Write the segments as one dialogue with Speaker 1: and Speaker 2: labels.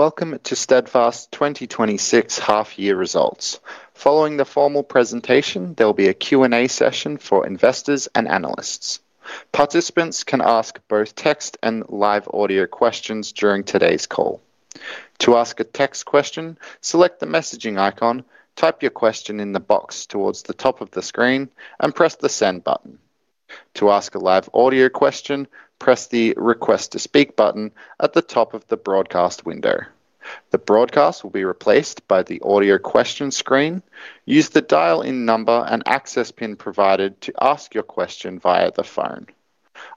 Speaker 1: Welcome to Steadfast 2026 half year results. Following the formal presentation, there will be a Q&A session for investors and analysts. Participants can ask both text and live audio questions during today's call. To ask a text question, select the messaging icon, type your question in the box towards the top of the screen, and press the Send button. To ask a live audio question, press the Request to Speak button at the top of the broadcast window. The broadcast will be replaced by the Audio Questions screen. Use the dial-in number and access PIN provided to ask your question via the phone.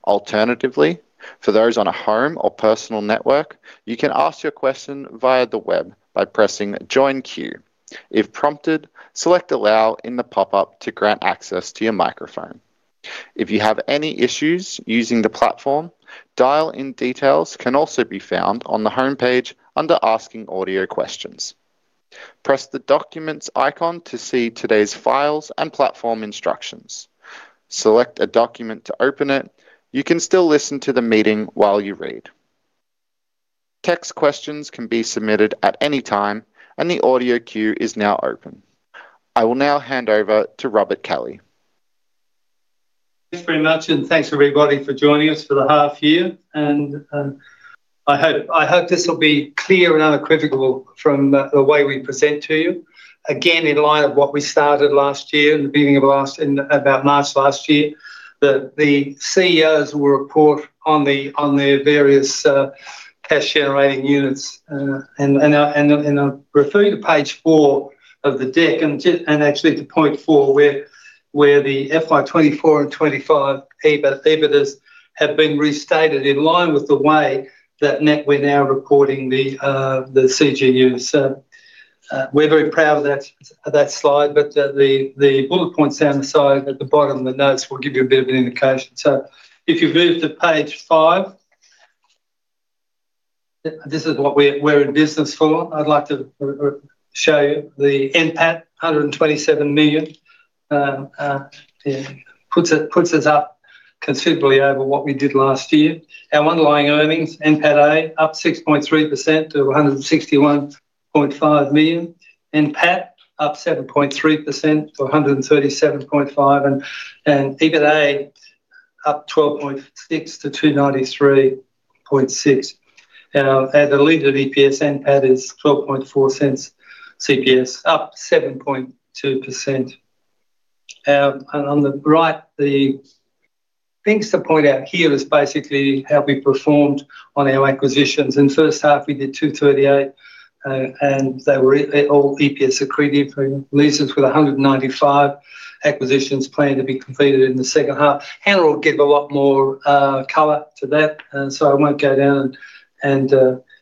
Speaker 1: Alternatively, for those on a home or personal network, you can ask your question via the web by pressing Join Queue. If prompted, select Allow in the pop-up to grant access to your microphone. If you have any issues using the platform, dial-in details can also be found on the homepage under Asking Audio Questions. Press the Documents icon to see today's files and platform instructions. Select a document to open it. You can still listen to the meeting while you read. Text questions can be submitted at any time, and the audio queue is now open. I will now hand over to Robert Kelly.
Speaker 2: Thanks very much, and thanks, everybody, for joining us for the half year, and I hope this will be clear and unequivocal from the way we present to you. Again, in line of what we started last year, in about March last year, that the CEOs will report on their various cash generating units. I refer you to Page 4 of the deck, and actually to point 4, where the FY 2024 and 2025 EBIT, EBITDAs have been restated in line with the way that net we're now reporting the CGUs. We're very proud of that Slide, but the bullet points down the side at the bottom of the notes will give you a bit of an indication. If you move to Page 5, this is what we're in business for. I'd like to show you the NPAT, 127 million. Puts us up considerably over what we did last year. Our underlying earnings, NPATA, up 6.3% to 161.5 million. NPAT, up 7.3% to 137.5 million, and EBITDA up 12.6% to AUD 293.6 million. The diluted EPS NPAT is 0.124 CPS, up 7.2%. On the right, the things to point out here is basically how we performed on our acquisitions. In first half, we did 238, and they were all EPS accretive leases, with 195 acquisitions planned to be completed in the second half. Hannah will give a lot more color to that. I won't go down and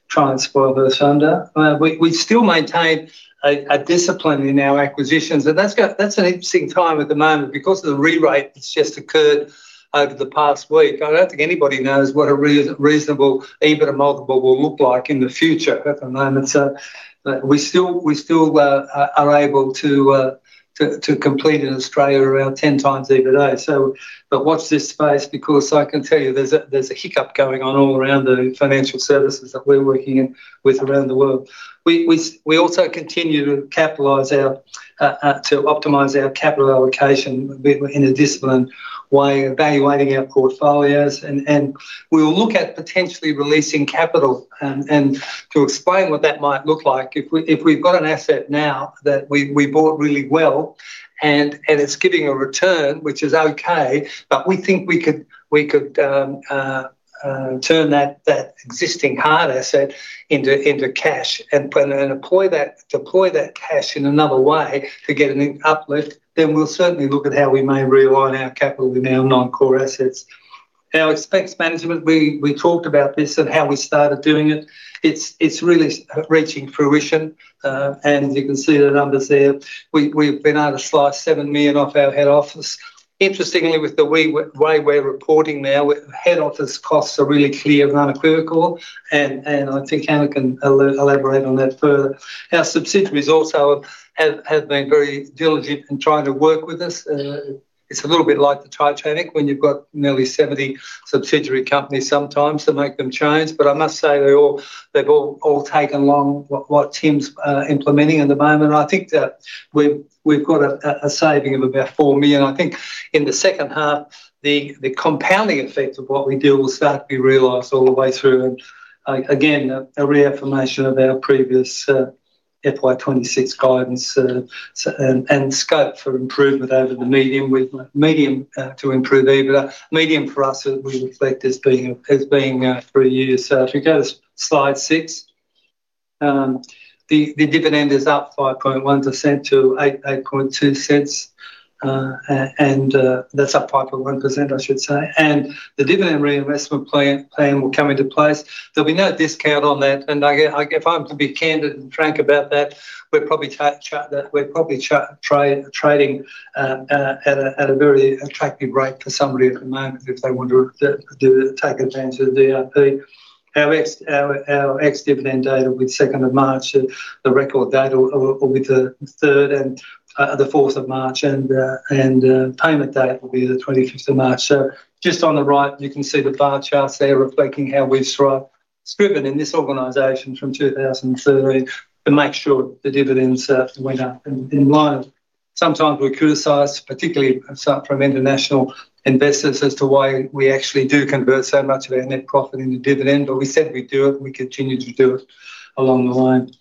Speaker 2: try and spoil her thunder. We still maintain a discipline in our acquisitions, and that's an interesting time at the moment because of the rerate that's just occurred over the past week. I don't think anybody knows what a reasonable EBITDA multiple will look like in the future at the moment. We still are able to complete in Australia around 10x EBITDA. Watch this space, because I can tell you, there's a hiccup going on all around the financial services that we're working in with around the world. We also continue to optimize our capital allocation in a disciplined way, evaluating our portfolios, and we will look at potentially releasing capital. To explain what that might look like, if we've got an asset now that we bought really well, and it's giving a return, which is okay, but we think we could turn that existing hard asset into cash, and deploy that cash in another way to get an uplift, then we'll certainly look at how we may realign our capital in our non-core assets. Our expense management, we talked about this and how we started doing it. It's really reaching fruition, and you can see the numbers there. We've been able to slice 7 million off our head office. Interestingly, with the way we're reporting now, head office costs are really clear and unequivocal, and I think Hannah can elaborate on that further. Our subsidiaries also have been very diligent in trying to work with us. It's a little bit like the Titanic when you've got nearly 70 subsidiary companies sometimes to make them change, I must say, they've all taken along what Tim's implementing at the moment. I think that we've got a saving of about 4 million. I think in the second half, the compounding effect of what we do will start to be realized all the way through. Again, a reaffirmation of our previous FY26 guidance and scope for improvement over the medium to improve EBITDA. Medium, for us, we reflect as being 3 years. If you go to Slide 6, the dividend is up 5.1% to 0.082, and that's up 5.1%, I should say. The dividend reinvestment plan will come into place. There'll be no discount on that. If I'm to be candid and frank about that, we're probably trading at a very attractive rate for somebody at the moment, if they want to take advantage of the IP. Our ex-dividend date will be 2nd of March, and the record date will be the 3rd and 4th of March, and payment date will be the 25th of March. Just on the right, you can see the bar charts there reflecting how we've strived, driven in this organization from 2013 to make sure the dividends went up in line. Sometimes we're criticized, particularly some from international investors, as to why we actually do convert so much of our net profit into dividend, but we said we'd do it, and we continue to do it along the line.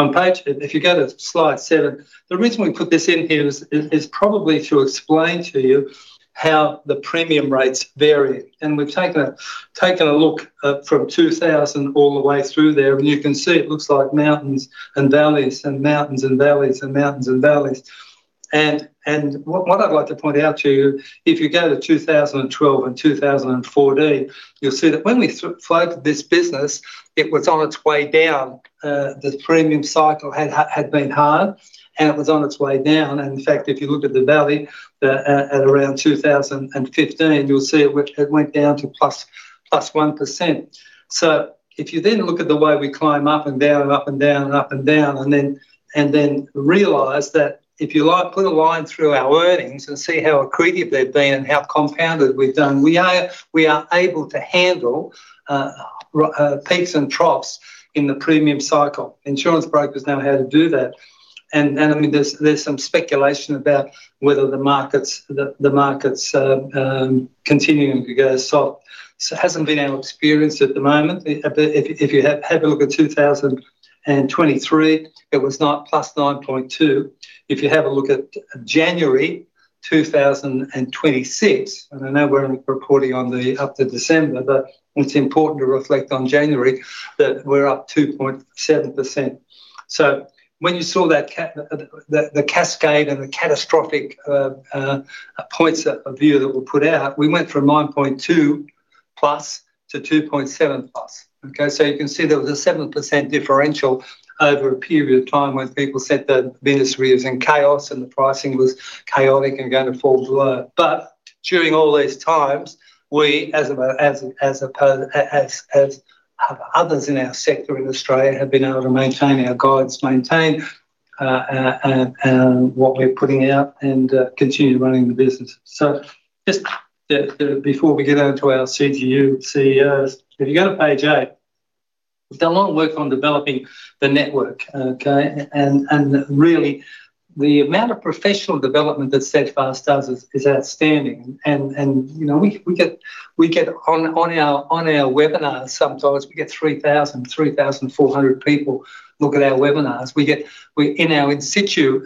Speaker 2: If you go to Slide 7, the reason we put this in here is probably to explain to you how the premium rates vary, and we've taken a look from 2000 all the way through there, and you can see it looks like mountains and valleys, and mountains and valleys, and mountains and valleys. What I'd like to point out to you, if you go to 2012 and 2014, you'll see that when we floated this business, it was on its way down. The premium cycle had been hard, it was on its way down. In fact, if you look at the valley, the at around 2015, you'll see it went down to +1%. If you then look at the way we climb up and down, and up and down, and up and down, and then realize that if you like, put a line through our earnings and see how accretive they've been and how compounded we've done, we are able to handle peaks and troughs in the premium cycle. Insurance brokers know how to do that. I mean, there's some speculation about whether the markets, the markets continuing to go soft. hasn't been our experience at the moment, but if you have a look at 2023, it was not plus 9.2. If you have a look at January 2026, and I know we're only reporting on the up to December, but it's important to reflect on January, that we're up 2.7%. When you saw that the cascade and the catastrophic points of view that were put out, we went from 9.2 plus to 2.7 plus. You can see there was a 7% differential over a period of time when people said the industry is in chaos and the pricing was chaotic and going to fall below. During all these times, we, as others in our sector in Australia, have been able to maintain our guides, maintain, and what we're putting out and continue running the business. Just before we get out into our CGU CEOs, if you go to Page 8, we've done a lot of work on developing the network, okay? Really, the amount of professional development that Steadfast does is outstanding. You know, we get on our webinars, sometimes we get 3,000, 3,400 people look at our webinars. We in our institute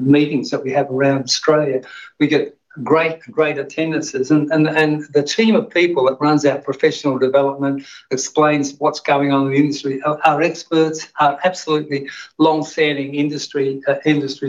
Speaker 2: meetings that we have around Australia, we get great attendances, and the team of people that runs our professional development explains what's going on in the industry, are experts, are absolutely long-standing industry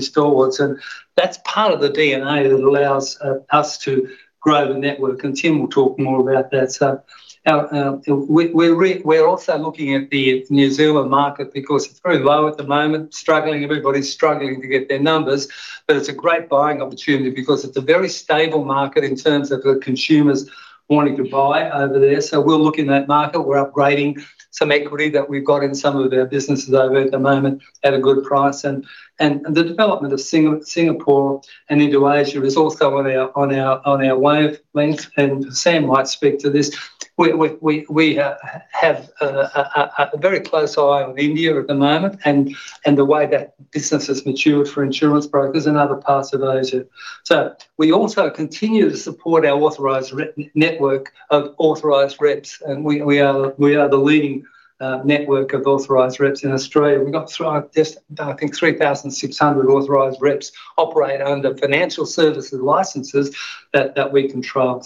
Speaker 2: stalwarts, and that's part of the DNA that allows us to grow the network. Tim will talk more about that. Our we're also looking at the New Zealand market because it's very low at the moment, struggling, everybody's struggling to get their numbers. It's a great buying opportunity because it's a very stable market in terms of the consumers wanting to buy over there. We're looking at that market. We're upgrading some equity that we've got in some of our businesses over at the moment at a good price. The development of Singapore and into Asia is also on our wavelength, and Sam might speak to this. We have a very close eye on India at the moment and the way that business has matured for insurance brokers in other parts of Asia. We also continue to support our authorized rep network of authorized reps, and we are the leading network of authorized reps in Australia. We've got through our desk, I think 3,600 authorized reps operate under financial services licenses that we control.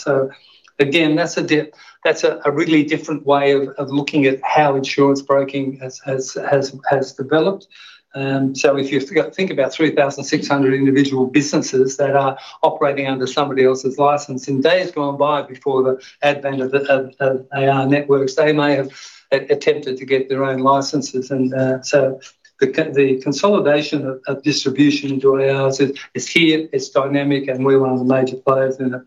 Speaker 2: Again, that's a really different way of looking at how insurance broking has developed. If you go think about 3,600 individual businesses that are operating under somebody else's license, in days gone by, before the advent of the AI networks, they may have attempted to get their own licenses. The consolidation of distribution into ours is here, it's dynamic, and we're one of the major players in it.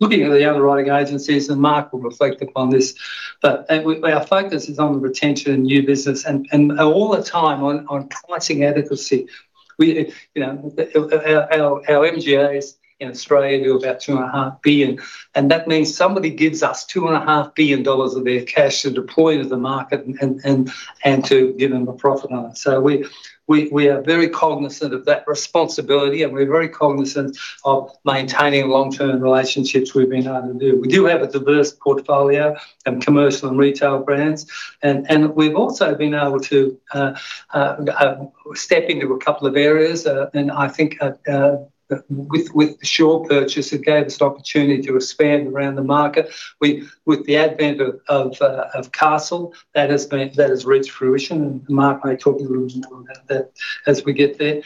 Speaker 2: Looking at the Underwriting Agencies, Mark will reflect upon this. Our focus is on the retention and new business and all the time on pricing adequacy. We, you know, our MGAs in Australia do about 2.5 billion, and that means somebody gives us 2.5 billion dollars of their cash to deploy to the market and to give them a profit on it. We are very cognizant of that responsibility, and we're very cognizant of maintaining long-term relationships we've been able to do. We do have a diverse portfolio and commercial and retail brands, and we've also been able to step into a couple of areas, and I think with the Sure purchase, it gave us the opportunity to expand around the market. With the advent of Castle, that has reached fruition, and Mark may talk a little more about that as we get there.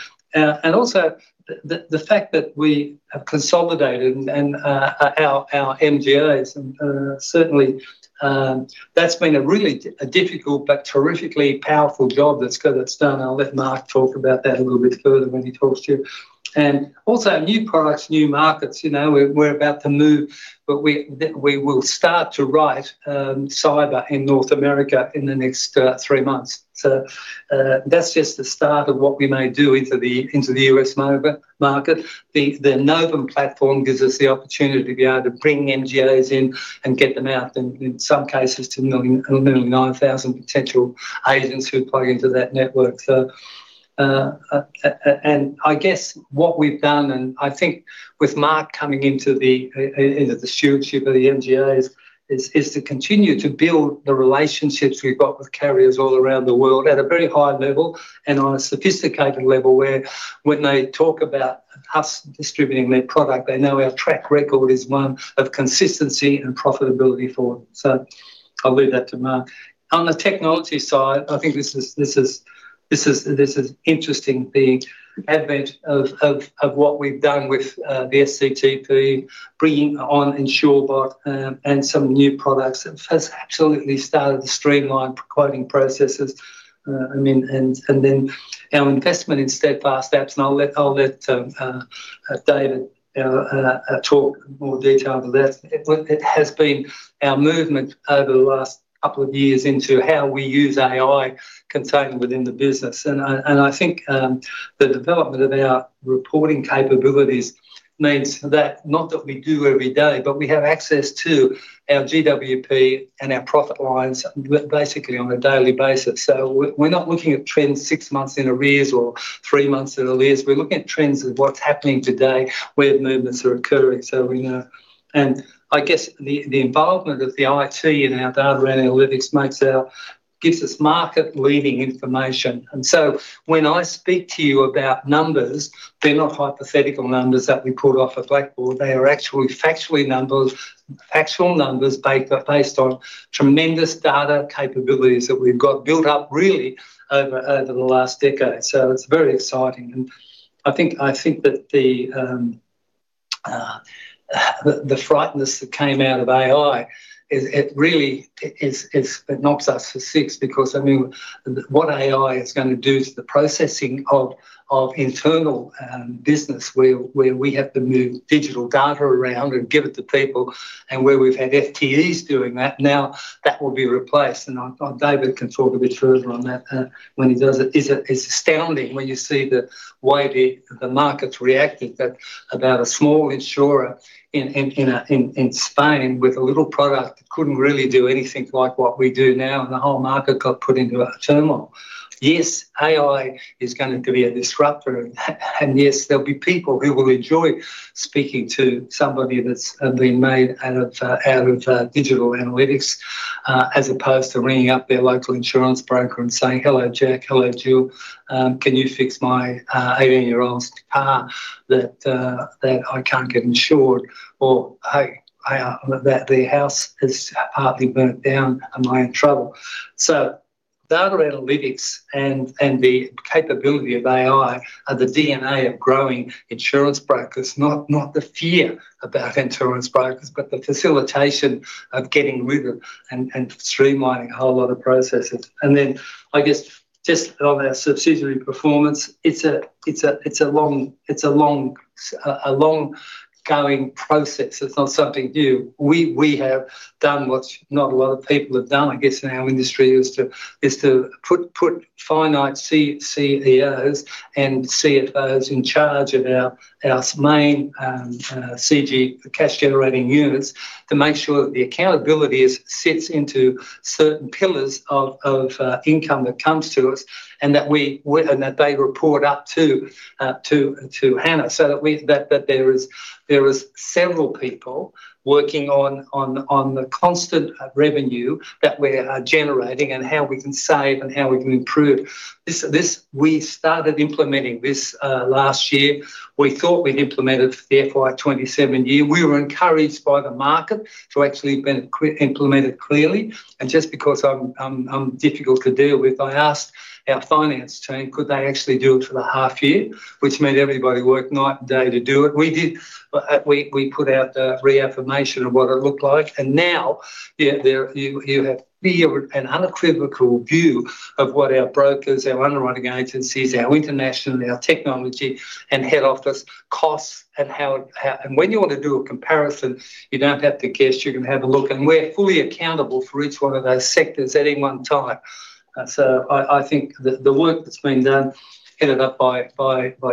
Speaker 2: Also the fact that we have consolidated and our MGAs, and certainly that's been a really a difficult but terrifically powerful job that's done. I'll let Mark talk about that a little bit further when he talks to you. Also new products, new markets, you know, we're about to move, but we will start to write cyber in North America in the next three months. That's just the start of what we may do into the U.S. market. The Novum platform gives us the opportunity to be able to bring MGAs in and get them out, and in some cases, to 1,009,000 potential agents who plug into that network. I guess what we've done, and I think with Mark coming into the stewardship of the MGA is to continue to build the relationships we've got with carriers all around the world at a very high level and on a sophisticated level, where when they talk about us distributing their product, they know our track record is one of consistency and profitability for them. I'll leave that to Mark. On the technology side, I think this is interesting, the advent of what we've done with the SCTP, bringing on Insurebot, and some new products. It has absolutely started to streamline quoting processes. I mean, and then our investment in Steadfast Apps, and I'll let David talk in more detail into that. It has been our movement over the last couple of years into how we use AI contained within the business. I think the development of our reporting capabilities means that not that we do every day, but we have access to our GWP and our profit lines basically on a daily basis. We're not looking at trends six months in arrears or three months in arrears. We're looking at trends of what's happening today, where movements are occurring, so we know. I guess the involvement of the IT in our data analytics gives us market-leading information. When I speak to you about numbers, they're not hypothetical numbers that we pulled off a blackboard. They are actually factually numbers, actual numbers based on tremendous data capabilities that we've got built up really over the last decade. It's very exciting, and I think, I think that the the frightenedness that came out of AI is it really is, it knocks us for six, because, I mean, what AI is going to do to the processing of internal business, where we have to move digital data around and give it to people, and where we've had FTEs doing that, now that will be replaced. David can talk a bit further on that when he does it. It's astounding when you see the way the market's reacted, that about a small insurer in Spain with a little product that couldn't really do anything like what we do now, and the whole market got put into a turmoil. AI is going to be a disruptor, and yes, there'll be people who will enjoy speaking to somebody that's been made out of digital analytics, as opposed to ringing up their local insurance broker and saying, "Hello, Jack. Hello, Jill. Can you fix my 18-year-old's car that I can't get insured?" Or, "I," that their house has partly burnt down, "Am I in trouble?" Data analytics and the capability of AI are the DNA of growing insurance brokers. Not the fear about insurance brokers, but the facilitation of getting rid of and streamlining a whole lot of processes. Then, I guess, just on our subsidiary performance, it's a long, long-going process. It's not something new. We have done what not a lot of people have done, I guess, in our industry, is to put finite CEOs and CFOs in charge of our main CG, cash generating units, to make sure that the accountability sits into certain pillars of income that comes to us, and that we and that they report up to Hannah. That there is several people working on the constant revenue that we're generating and how we can save and how we can improve. This we started implementing this last year. We thought we'd implemented the FY27 year. We were encouraged by the market to actually implement it clearly. Just because I'm difficult to deal with, I asked our finance team could they actually do it for the half year, which made everybody work night and day to do it. We did. We put out the reaffirmation of what it looked like. There you have clear and unequivocal view of what our brokers, our Underwriting Agencies, our International, our technology, and head office costs. When you want to do a comparison, you don't have to guess. You can have a look, and we're fully accountable for each one of those sectors at any one time. I think the work that's been done, headed up by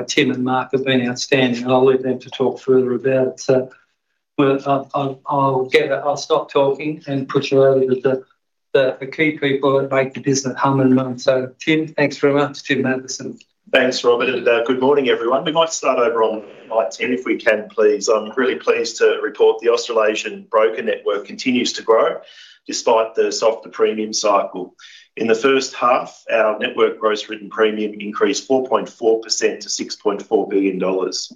Speaker 2: Tim and Mark, have been outstanding, and I'll leave them to talk further about it. Well, I'll stop talking and push you over to the key people that make the business hum and run. Tim, thanks very much. Tim Mathieson.
Speaker 3: Thanks, Robert. Good morning, everyone. We might start over on my team, if we can, please. I'm really pleased to report the Australasian Broker network continues to grow despite the softer premium cycle. In the first half, our network gross written premium increased 4.4% to 6.4 billion dollars.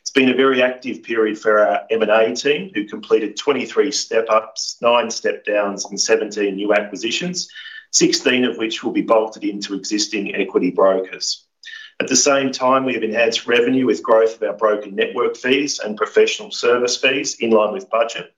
Speaker 3: It's been a very active period for our M&A team, who completed 23 step-ups, 9 step-downs, and 17 new acquisitions, 16 of which will be bolted into existing equity brokers. At the same time, we have enhanced revenue with growth of our broker network fees and professional service fees in line with budget.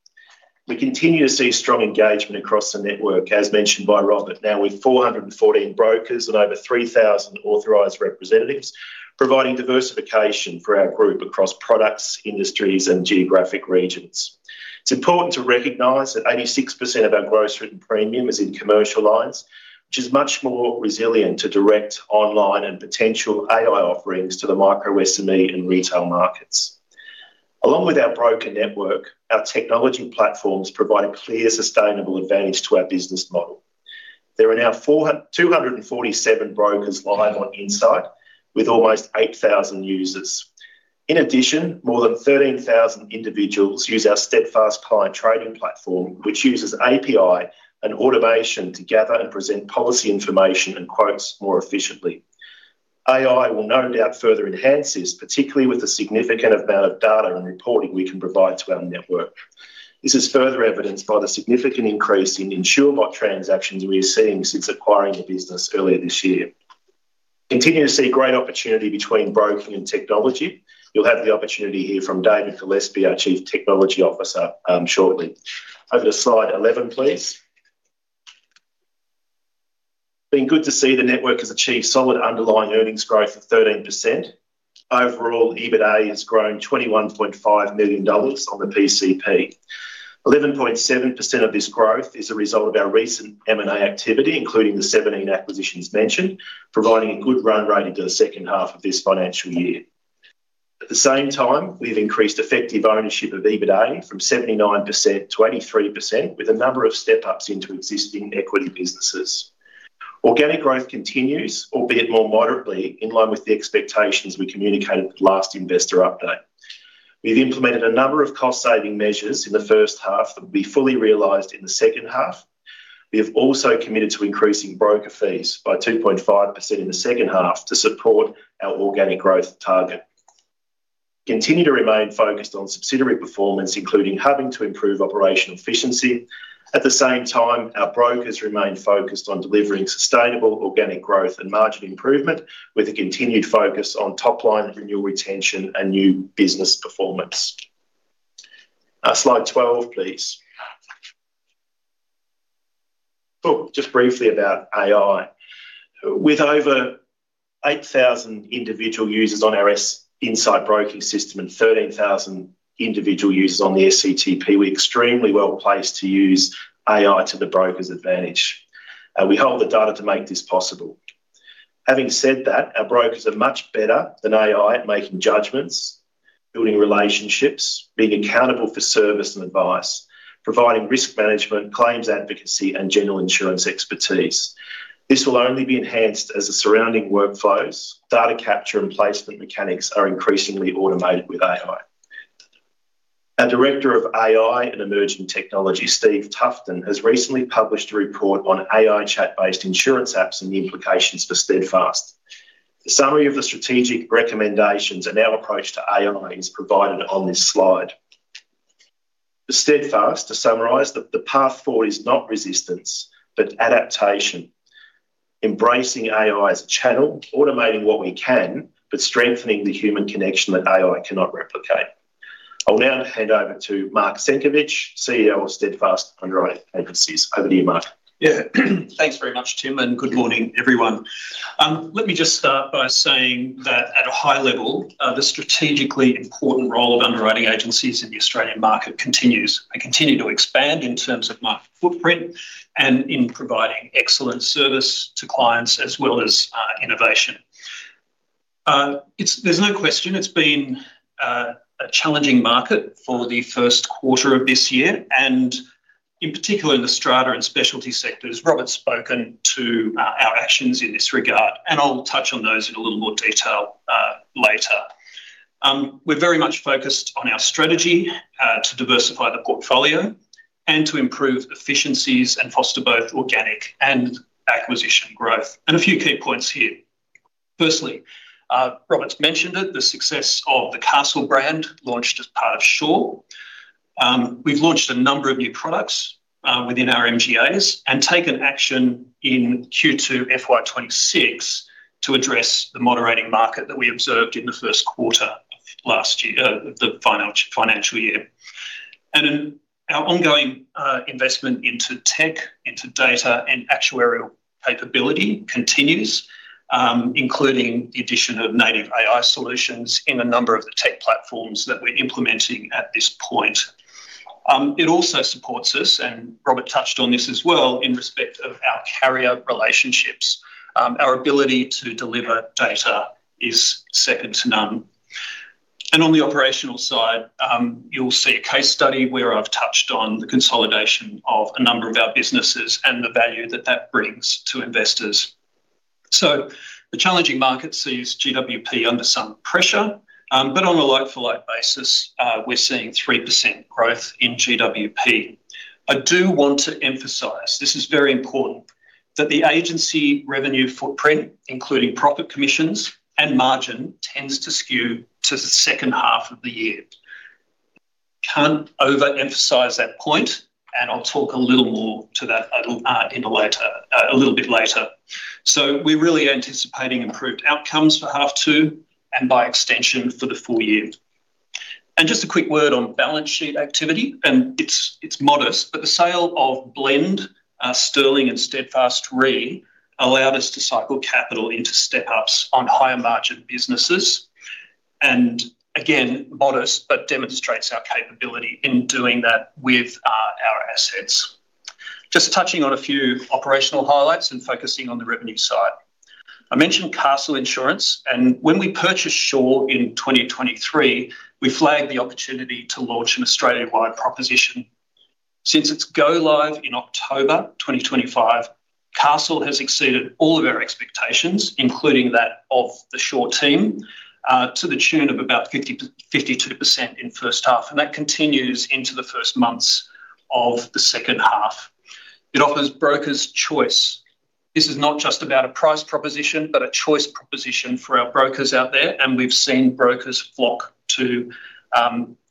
Speaker 3: We continue to see strong engagement across the network, as mentioned by Robert, now with 414 brokers and over 3,000 authorized representatives, providing diversification for our group across products, industries, and geographic regions. It's important to recognize that 86% of our gross written premium is in commercial lines, which is much more resilient to direct online and potential AI offerings to the micro SME and retail markets. Our technology platforms provide a clear, sustainable advantage to our business model. There are now 247 brokers live on INSIGHT, with almost 8,000 users. More than 13,000 individuals use our Steadfast Client Trading Platform, which uses API and automation to gather and present policy information and quotes more efficiently. AI will no doubt further enhance this, particularly with the significant amount of data and reporting we can provide to our network. This is further evidenced by the significant increase in Insurebot transactions we are seeing since acquiring the business earlier this year. Continue to see great opportunity between broking and technology. You'll have the opportunity to hear from David Gillespie, our Chief Technology Officer, shortly. Over to Slide 11, please. Been good to see the network has achieved solid underlying earnings growth of 13%. Overall, EBITDA has grown 21.5 million on the PCP. 11.7% of this growth is a result of our recent M&A activity, including the 17 acquisitions mentioned, providing a good run rate into the second half of this financial year. At the same time, we've increased effective ownership of EBITDA from 79% to 83%, with a number of step-ups into existing equity businesses. Organic growth continues, albeit more moderately, in line with the expectations we communicated at the last investor update. We've implemented a number of cost-saving measures in the first half that will be fully realized in the second half. We have also committed to increasing broker fees by 2.5% in the second half to support our organic growth target. Continue to remain focused on subsidiary performance, including hubbing to improve operational efficiency. At the same time, our brokers remain focused on delivering sustainable organic growth and margin improvement, with a continued focus on top-line renewal retention and new business performance. Slide 12, please. Just briefly about AI. With over 8,000 individual users on our INSIGHT broking system and 13,000 individual users on the SCTP, we're extremely well-placed to use AI to the broker's advantage, and we hold the data to make this possible. Having said that, our brokers are much better than AI at making judgments, building relationships, being accountable for service and advice, providing risk management, claims advocacy, and general insurance expertise. This will only be enhanced as the surrounding workflows, data capture, and placement mechanics are increasingly automated with AI. Our Director of AI and Emerging Technology, Stephen Tuffley, has recently published a report on AI chat-based insurance apps and the implications for Steadfast. The summary of the strategic recommendations and our approach to AI is provided on this Slide. For Steadfast, to summarize, the path forward is not resistance, but adaptation, embracing AI as a channel, automating what we can, but strengthening the human connection that AI cannot replicate. I'll now hand over to Mark Senkevics, CEO of Steadfast Underwriting Agencies. Over to you, Mark.
Speaker 4: Yeah. Thanks very much, Tim, good morning, everyone. Let me just start by saying that at a high level, the strategically important role of underwriting agencies in the Australian market continues and continue to expand in terms of market footprint and in providing excellent service to clients as well as innovation. There's no question it's been a challenging market for the first quarter of this year, and in particular, in the strata and specialty sectors. Robert's spoken to our actions in this regard. I'll touch on those in a little more detail later. We're very much focused on our strategy to diversify the portfolio and to improve efficiencies and foster both organic and acquisition growth. A few key points here. Firstly, Robert's mentioned it, the success of the Castle brand, launched as part of Sure. We've launched a number of new products within our MGAs and taken action in Q2 FY26 to address the moderating market that we observed in the first quarter of last year, the financial year. Our ongoing investment into tech, into data, and actuarial capability continues, including the addition of native AI solutions in a number of the tech platforms that we're implementing at this point. It also supports us, and Robert touched on this as well, in respect of our carrier relationships. Our ability to deliver data is second to none. On the operational side, you'll see a case study where I've touched on the consolidation of a number of our businesses and the value that that brings to investors. The challenging market sees GWP under some pressure, but on a like-for-like basis, we're seeing 3% growth in GWP. I do want to emphasize, this is very important, that the agency revenue footprint, including profit commissions and margin, tends to skew to the second half of the year. Can't overemphasize that point, I'll talk a little more to that a little bit later. We're really anticipating improved outcomes for half two and, by extension, for the full year. Just a quick word on balance sheet activity, and it's modest, but the sale of Blend, Sterling, and Steadfast Re allowed us to cycle capital into step-ups on higher-margin businesses, and again, modest, but demonstrates our capability in doing that with our assets. Just touching on a few operational highlights and focusing on the revenue side. I mentioned Castle Insurance, and when we purchased Sure in 2023, we flagged the opportunity to launch an Australia-wide proposition. Since its go-live in October 2025, Castle has exceeded all of our expectations, including that of the Sure team, to the tune of about 50%-52% in first half, and that continues into the first months of the second half. It offers brokers choice. This is not just about a price proposition, but a choice proposition for our brokers out there, and we've seen brokers flock to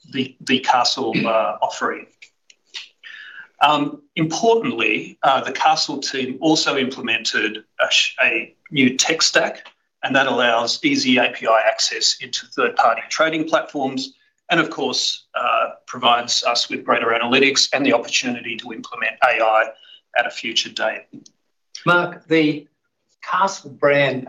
Speaker 4: the Castle offering. Importantly, the Castle team also implemented a new tech stack. That allows easy API access into third-party trading platforms and, of course, provides us with greater analytics and the opportunity to implement AI at a future date.
Speaker 2: Mark, the Castle brand,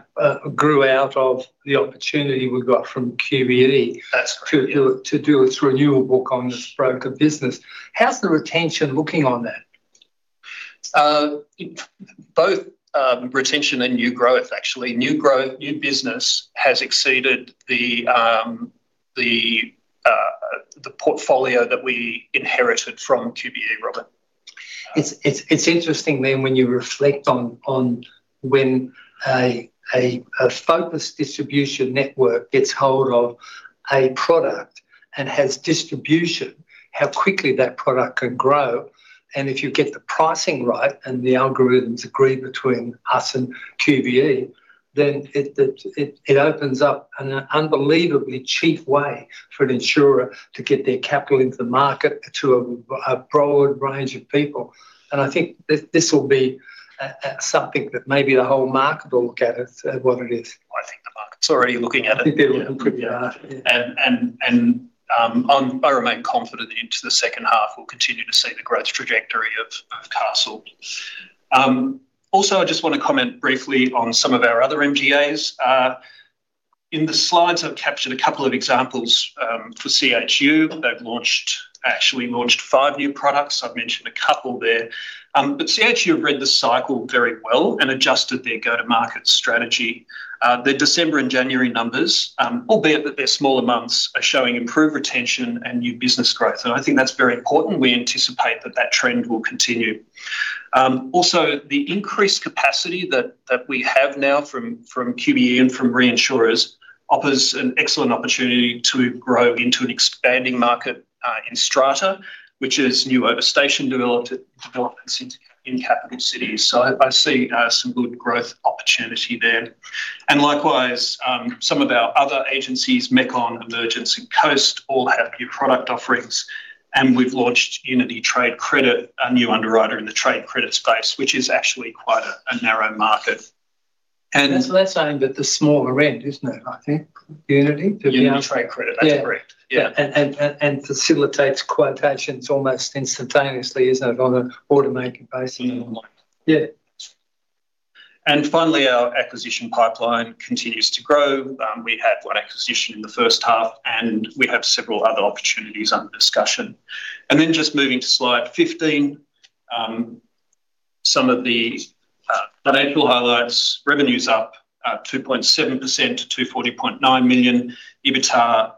Speaker 2: grew out of the opportunity we got from QBE.
Speaker 4: That's correct.
Speaker 2: to do its renewable kindness broker business. How's the retention looking on that?
Speaker 4: Both, retention and new growth, actually. New growth, new business has exceeded the portfolio that we inherited from QBE, Robert.
Speaker 2: It's interesting then, when you reflect on when a focused distribution network gets hold of a product and has distribution, how quickly that product can grow, and if you get the pricing right and the algorithms agreed between us and QBE, then it opens up an unbelievably cheap way for an insurer to get their capital into the market to a broad range of people. I think this will be a something that maybe the whole market will look at it as what it is.
Speaker 4: I think the market's already looking at it.
Speaker 2: I think they look pretty hard.
Speaker 4: I remain confident into the second half we'll continue to see the growth trajectory of Castle. Also, I just want to comment briefly on some of our other MGAs. In the Slides, I've captured a couple of examples. For CHU, they've actually launched 5 new products. I've mentioned a couple there. CHU have read the cycle very well and adjusted their go-to-market strategy. Their December and January numbers, albeit that they're smaller months, are showing improved retention and new business growth, and I think that's very important. We anticipate that that trend will continue. Also, the increased capacity that we have now from QBE and from reinsurers offers an excellent opportunity to grow into an expanding market in strata, which is new overstation developments in capital cities. I see some good growth opportunity there. Likewise, some of our other agencies, MECON, Emergence, and Coast, all have new product offerings, and we've launched Unity Trade Credit, a new underwriter in the trade credit space, which is actually quite a narrow market.
Speaker 2: That's only that the smaller end, isn't it, I think, Unity?
Speaker 4: Unity Trade Credit.
Speaker 2: Yeah.
Speaker 4: That's correct. Yeah.
Speaker 2: Facilitates quotations almost instantaneously, isn't it, on an automated basis?
Speaker 4: Mm-hmm.
Speaker 2: Yeah.
Speaker 4: Finally, our acquisition pipeline continues to grow. We had 1 acquisition in the first half, and we have several other opportunities under discussion. Just moving to Slide 15, some of the financial highlights: Revenue's up 2.7% to 240.9 million. EBITDA,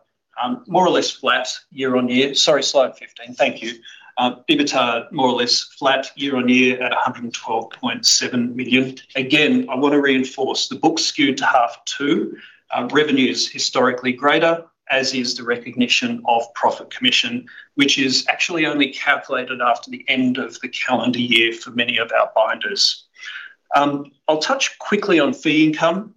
Speaker 4: more or less flat year-on-year. Sorry, Slide 15. Thank you. EBITDA, more or less flat year-on-year at 112.7 million. Again, I want to reinforce, the book's skewed to half 2. Revenue is historically greater, as is the recognition of profit commission, which is actually only calculated after the end of the calendar year for many of our binders. I'll touch quickly on fee income.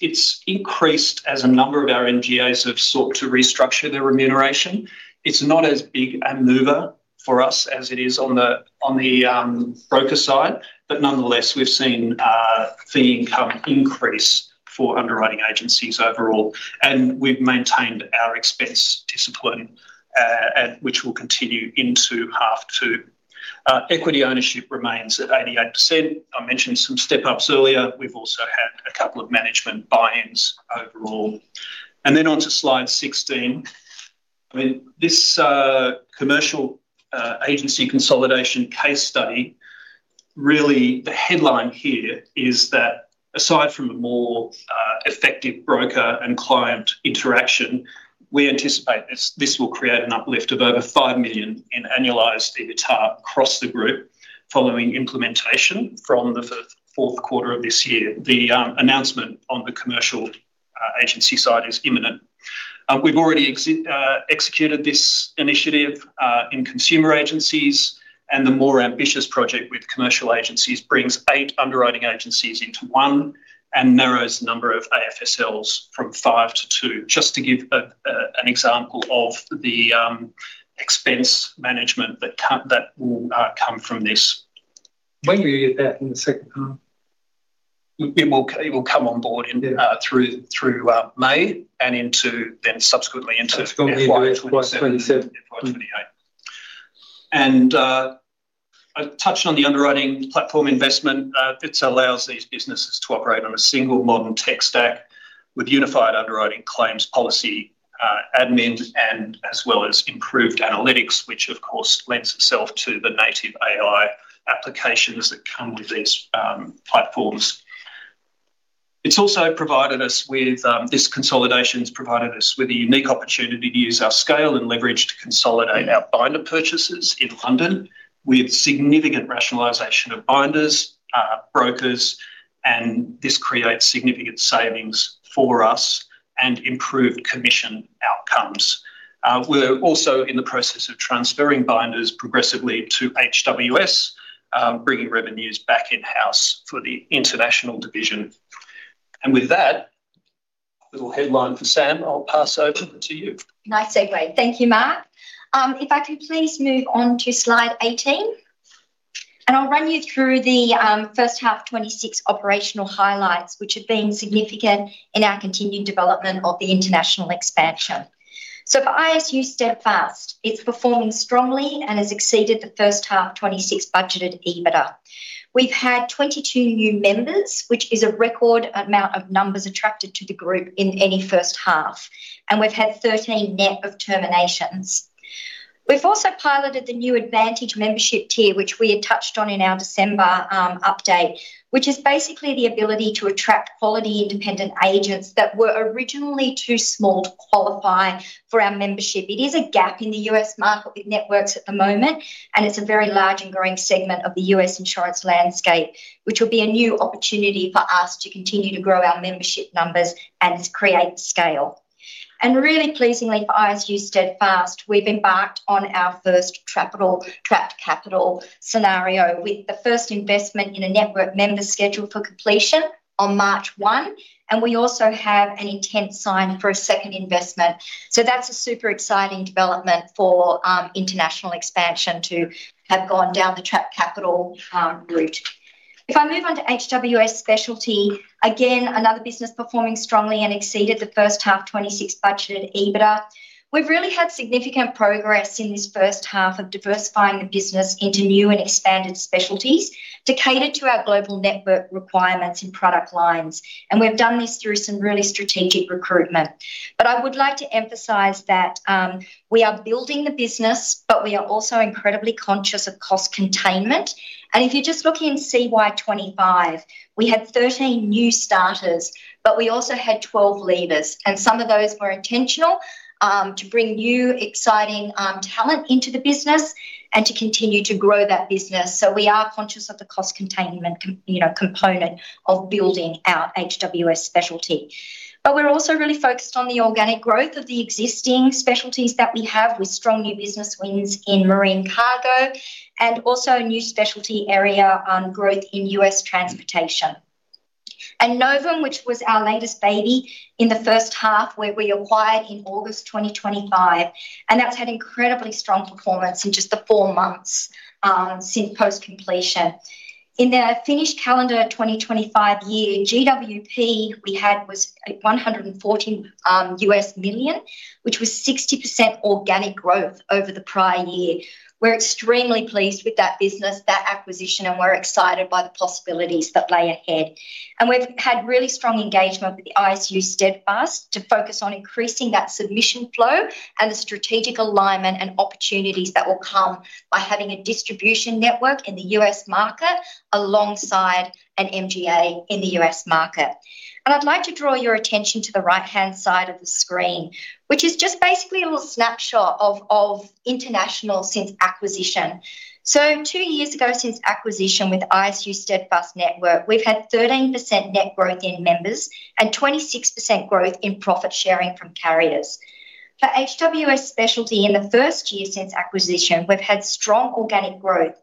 Speaker 4: It's increased as a number of our MGAs have sought to restructure their remuneration. It's not as big a mover for us as it is on the, on the broker side. Nonetheless, we've seen fee income increase for underwriting agencies overall, and we've maintained our expense discipline, and which will continue into half 2. Equity ownership remains at 88%. I mentioned some step-ups earlier. We've also had a couple of management buy-ins overall. Then on to Slide 16. I mean, this commercial agency consolidation case study, really the headline here is that aside from a more effective broker and client interaction, we anticipate this will create an uplift of over 5 million in annualized EBITDA across the group, following implementation from the fourth quarter of this year. The announcement on the commercial agency side is imminent. We've already executed this initiative in consumer agencies, and the more ambitious project with commercial agencies brings 8 underwriting agencies into one and narrows the number of AFSLs from 5 to 2, just to give an example of the expense management that will come from this.
Speaker 2: When will you get that in the second half?
Speaker 4: It will come on board in.
Speaker 2: Yeah
Speaker 4: through May and into, then subsequently.
Speaker 2: Subsequently into 2027.
Speaker 4: 28. I touched on the underwriting platform investment. It allows these businesses to operate on a single modern tech stack with unified underwriting claims, policy, admin, and as well as improved analytics, which of course lends itself to the native AI applications that come with these platforms. This consolidation has provided us with a unique opportunity to use our scale and leverage to consolidate our binder purchases in London, with significant rationalization of binders, brokers, and this creates significant savings for us and improved commission outcomes. We're also in the process of transferring binders progressively to HW, bringing revenues back in-house for the international division. With that little headline for Sam, I'll pass over to you.
Speaker 5: Nice segue. Thank you, Mark. If I could please move on to Slide 18, I'll run you through the first half 2026 operational highlights, which have been significant in our continued development of the international expansion. For ISU Steadfast, it's performing strongly and has exceeded the first half 2026 budgeted EBITDA. We've had 22 new members, which is a record amount of numbers attracted to the group in any first half, and we've had 13 net of terminations. We've also piloted the new advantage membership tier, which we had touched on in our December update, which is basically the ability to attract quality independent agents that were originally too small to qualify for our membership. It is a gap in the U.S. market with networks at the moment, and it's a very large and growing segment of the U.S. insurance landscape, which will be a new opportunity for us to continue to grow our membership numbers and create scale. Really pleasingly for ISU Steadfast, we've embarked on our first Trapped Capital scenario, with the first investment in a network member scheduled for completion on March 1. We also have an intent signed for a second investment. That's a super exciting development for international expansion to have gone down the Trapped Capital route. If I move on to HW Specialty, again, another business performing strongly and exceeded the first half 2026 budgeted EBITDA. We've really had significant progress in this first half of diversifying the business into new and expanded specialties to cater to our global network requirements and product lines, and we've done this through some really strategic recruitment. I would like to emphasise that, we are building the business, but we are also incredibly conscious of cost containment. If you just look in CY25, we had 13 new starters, but we also had 12 leavers, and some of those were intentional, to bring new, exciting, talent into the business and to continue to grow that business. We are conscious of the cost containment you know, component of building our HW Specialty. We're also really focused on the organic growth of the existing specialties that we have, with strong new business wins in marine cargo, and also a new specialty area on growth in U.S. transportation. Novum, which was our latest baby in the first half, where we acquired in August 2025, and that's had incredibly strong performance in just the four months since post-completion. In the finished calendar 2025 year, GWP we had was at $114 million, which was 60% organic growth over the prior year. We're extremely pleased with that business, that acquisition, and we're excited by the possibilities that lay ahead. We've had really strong engagement with the ISU Steadfast to focus on increasing that submission flow and the strategic alignment and opportunities that will come by having a distribution network in the US market alongside an MGA in the US market. I'd like to draw your attention to the right-hand side of the screen, which is just basically a little snapshot of international since acquisition. Two years ago, since acquisition with ISU Steadfast Network, we've had 13% net growth in members and 26% growth in profit sharing from carriers. For HW Specialty, in the first year since acquisition, we've had strong organic growth,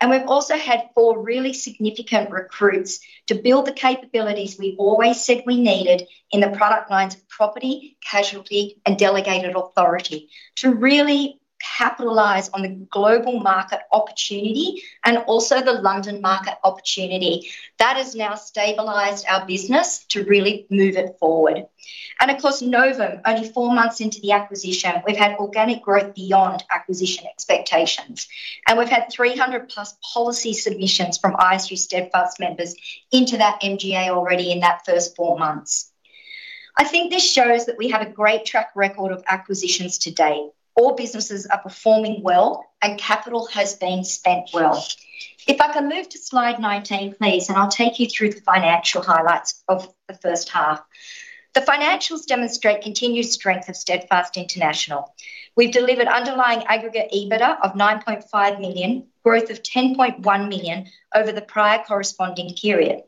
Speaker 5: and we've also had four really significant recruits to build the capabilities we've always said we needed in the product lines of property, casualty, and delegated authority to really capitalize on the global market opportunity and also the London market opportunity. That has now stabilized our business to really move it forward. Of course, Novum, only four months into the acquisition, we've had organic growth beyond acquisition expectations, and we've had 300+ policy submissions from ISU Steadfast members into that MGA already in that first four months. I think this shows that we have a great track record of acquisitions to date. All businesses are performing well, and capital has been spent well. If I can move to Slide 19, please, and I'll take you through the financial highlights of the first half. The financials demonstrate continued strength of Steadfast International. We've delivered underlying aggregate EBITDA of 9.5 million, growth of 10.1 million over the prior corresponding period.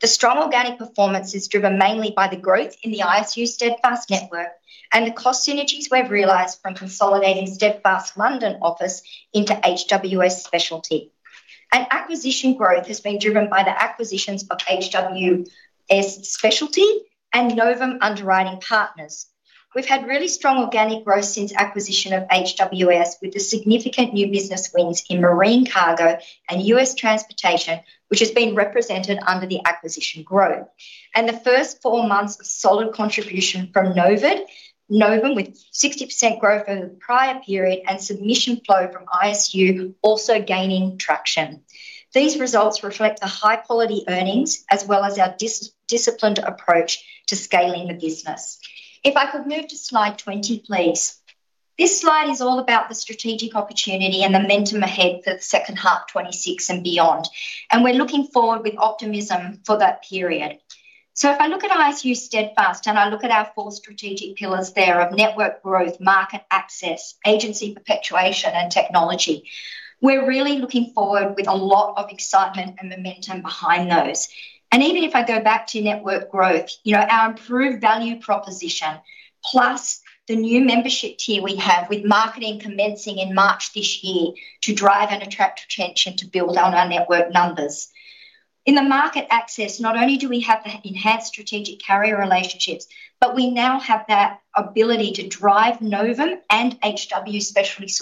Speaker 5: The strong organic performance is driven mainly by the growth in the ISU Steadfast network and the cost synergies we've realized from consolidating Steadfast's London office into HW Specialty. Acquisition growth has been driven by the acquisitions of HW Specialty and Novum Underwriting Partners. We've had really strong organic growth since acquisition of HW, with the significant new business wins in marine cargo and US transportation, which has been represented under the acquisition growth. The first four months of solid contribution from Novum, with 60% growth over the prior period and submission flow from ISU also gaining traction. These results reflect the high-quality earnings, as well as our disciplined approach to scaling the business. If I could move to Slide 20, please. This Slide is all about the strategic opportunity and the momentum ahead for the second half 2026 and beyond. We're looking forward with optimism for that period. If I look at ISU Steadfast, and I look at our 4 strategic pillars there of network growth, market access, agency perpetuation, and technology, we're really looking forward with a lot of excitement and momentum behind those. Even if I go back to network growth, you know, our improved value proposition, plus the new membership tier we have with marketing commencing in March this year to drive and attract attention to build on our network numbers.
Speaker 6: In the market access, not only do we have the enhanced strategic carrier relationships, but we now have that ability to drive Novum and HW Specialty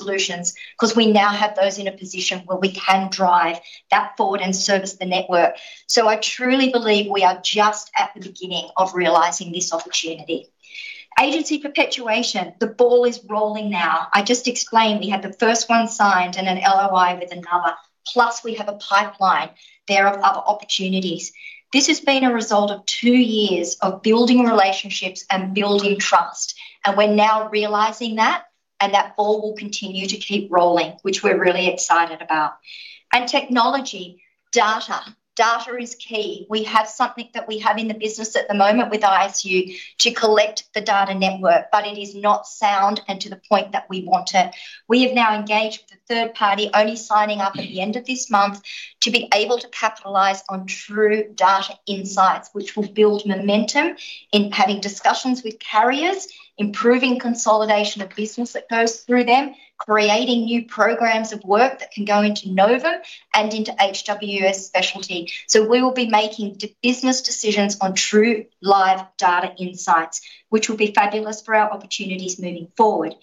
Speaker 6: 'cause we now have those in a position where we can drive that forward and service the network. I truly believe we are just at the beginning of realizing this opportunity. Agency perpetuation, the ball is rolling now. I just explained we had the first one signed and an LOI with another, plus we have a pipeline there of other opportunities. This has been a result of two years of building relationships and building trust, and we're now realizing that, and that ball will continue to keep rolling, which we're really excited about. Technology, data. Data is key.
Speaker 5: We have something that we have in the business at the moment with ISU to collect the data network, but it is not sound and to the point that we want it. We have now engaged with a third party, only signing up at the end of this month, to be able to capitalize on true data insights, which will build momentum in having discussions with carriers, improving consolidation of business that goes through them, creating new programs of work that can go into Novum and into HW Specialty. We will be making business decisions on true live data insights, which will be fabulous for our opportunities moving forward.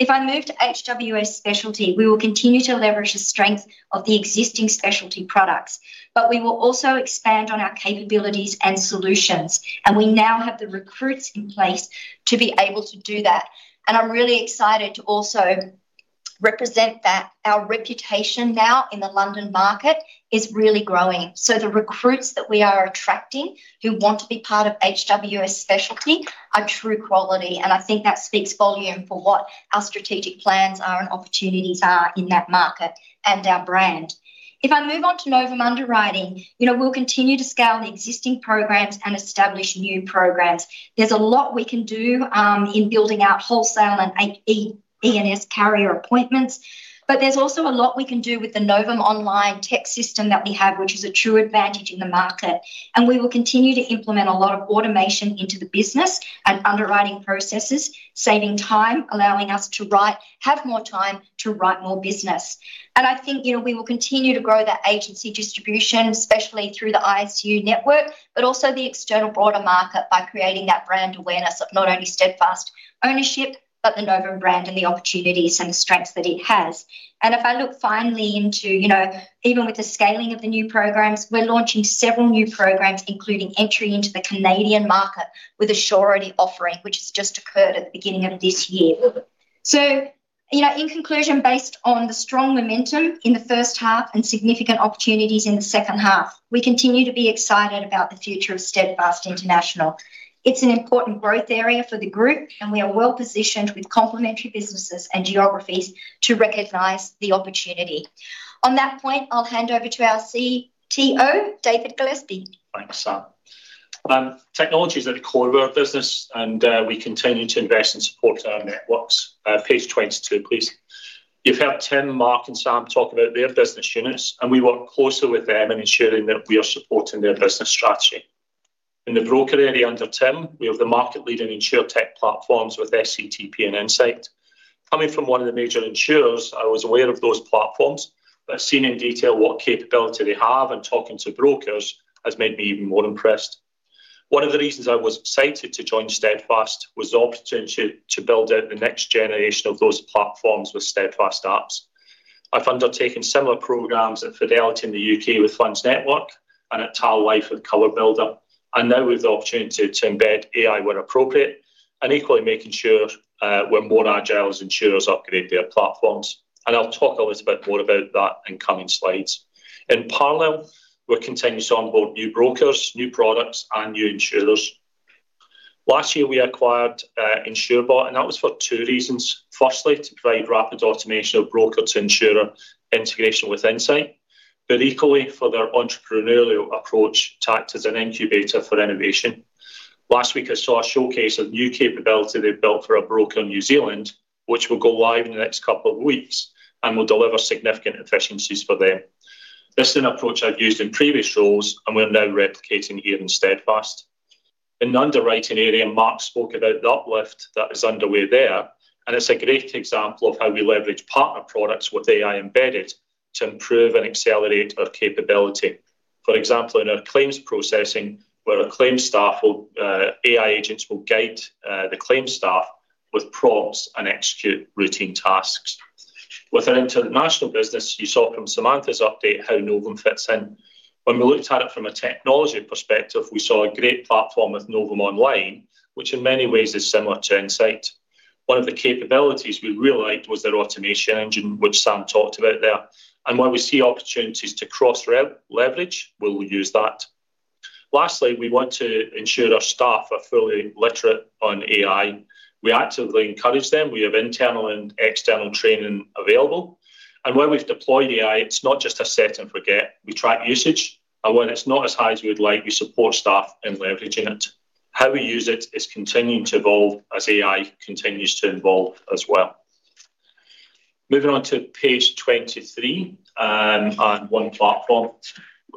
Speaker 5: If I move to HW Specialty, we will continue to leverage the strength of the existing specialty products, but we will also expand on our capabilities and solutions, and we now have the recruits in place to be able to do that. I'm really excited to also represent that. Our reputation now in the London market is really growing, so the recruits that we are attracting who want to be part of HW Specialty are true quality, and I think that speaks volumes for what our strategic plans are and opportunities are in that market and our brand. If I move on to Novum Underwriting Partners, you know, we'll continue to scale the existing programs and establish new programs. There's a lot we can do, in building out wholesale and E&S carrier appointments, but there's also a lot we can do with the Novum Online tech system that we have, which is a true advantage in the market. We will continue to implement a lot of automation into the business and underwriting processes, saving time, allowing us to have more time to write more business. I think, you know, we will continue to grow that agency distribution, especially through the ISU network, but also the external broader market by creating that brand awareness of not only Steadfast ownership, but the Novum brand and the opportunities and the strengths that it has. If I look finally into, you know, even with the scaling of the new programs, we're launching several new programs, including entry into the Canadian market with a surety offering, which has just occurred at the beginning of this year. You know, in conclusion, based on the strong momentum in the first half and significant opportunities in the second half, we continue to be excited about the future of Steadfast International. It's an important growth area for the group, and we are well-positioned with complementary businesses and geographies to recognize the opportunity. On that point, I'll hand over to our CTO, David Gillespie.
Speaker 7: Thanks, Sam. Technology is at the core of our business, and we continue to invest and support our networks. Page 22, please. You've heard Tim, Mark, and Sam talk about their business units, and we work closely with them in ensuring that we are supporting their business strategy. In the broker area under Tim, we have the market-leading Insurtech platforms with SCTP and INSIGHT. Coming from one of the major insurers, I was aware of those platforms, but seeing in detail what capability they have and talking to brokers has made me even more impressed. One of the reasons I was excited to join Steadfast was the opportunity to build out the next generation of those platforms with Steadfast Apps. I've undertaken similar programs at Fidelity in the UK with FundsNetwork and at TAL Life with Cover Builder, now with the opportunity to embed AI where appropriate and equally making sure we're more agile as insurers upgrade their platforms. I'll talk a little bit more about that in coming Slides. In parallel, we're continuing to onboard new brokers, new products, and new insurers. Last year, we acquired Insurebot, that was for 2 reasons. Firstly, to provide rapid automation of broker to insurer integration with INSIGHT, equally for their entrepreneurial approach to act as an incubator for innovation. Last week, I saw a showcase of new capability they've built for a broker in New Zealand, which will go live in the next couple of weeks and will deliver significant efficiencies for them. This is an approach I've used in previous roles. We're now replicating here in Steadfast. In the underwriting area, Mark spoke about the uplift that is underway there, and it's a great example of how we leverage partner products with AI embedded to improve and accelerate our capability. For example, in our claims processing, where AI agents will guide the claims staff with prompts and execute routine tasks. With our international business, you saw from Samantha's update how Novum fits in. When we looked at it from a technology perspective, we saw a great platform with Novum Online, which in many ways is similar to INSIGHT. One of the capabilities we really liked was their automation engine, which Sam talked about there. Where we see opportunities to cross re- leverage, we'll use that. Lastly, we want to ensure our staff are fully literate on AI. We actively encourage them. We have internal and external training available. Where we've deployed AI, it's not just a set and forget. We track usage, and when it's not as high as we'd like, we support staff in leveraging it. How we use it is continuing to evolve as AI continues to evolve as well. Moving on to Page 23, on one platform.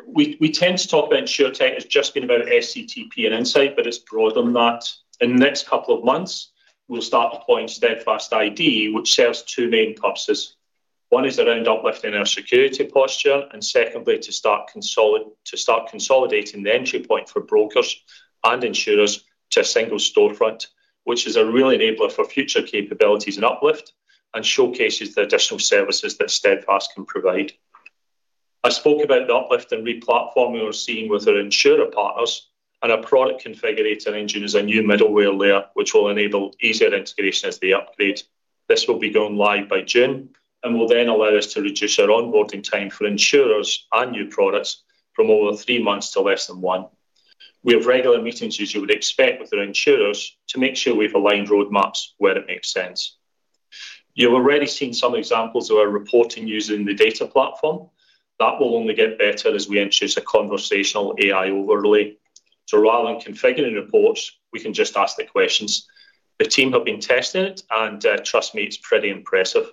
Speaker 7: We tend to talk about InsurTech as just being about SCTP and INSIGHT, but it's broader than that. In the next couple of months, we'll start deploying Steadfast ID, which serves two main purposes. One is around uplifting our security posture. Secondly, to start consolidating the entry point for brokers and insurers to a single storefront, which is a real enabler for future capabilities and uplift. Showcases the additional services that Steadfast can provide. I spoke about the uplift and re-platform we were seeing with our insurer partners. Our product configurator engine is a new middleware layer, which will enable easier integration as they upgrade. This will be going live by June. Will then allow us to reduce our onboarding time for insurers and new products from over 3 months to less than 1. We have regular meetings, as you would expect, with our insurers to make sure we've aligned roadmaps where it makes sense. You've already seen some examples of our reporting using the data platform. That will only get better as we introduce a conversational AI overlay. Rather than configuring reports, we can just ask the questions. The team have been testing it, trust me, it's pretty impressive.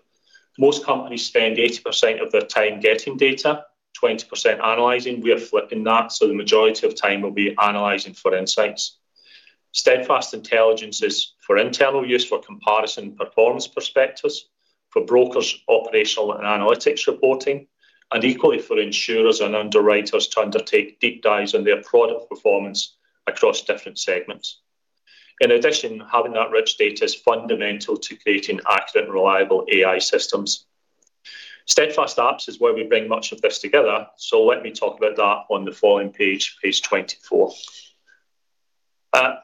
Speaker 7: Most companies spend 80% of their time getting data, 20% analyzing. We are flipping that, the majority of time will be analyzing for insights. Steadfast Intelligence is for internal use, for comparison and performance perspectives, for brokers, operational and analytics reporting, and equally for insurers and underwriters to undertake deep dives on their product performance across different segments. In addition, having that rich data is fundamental to creating accurate and reliable AI systems. Steadfast Apps is where we bring much of this together, let me talk about that on the following Page 24.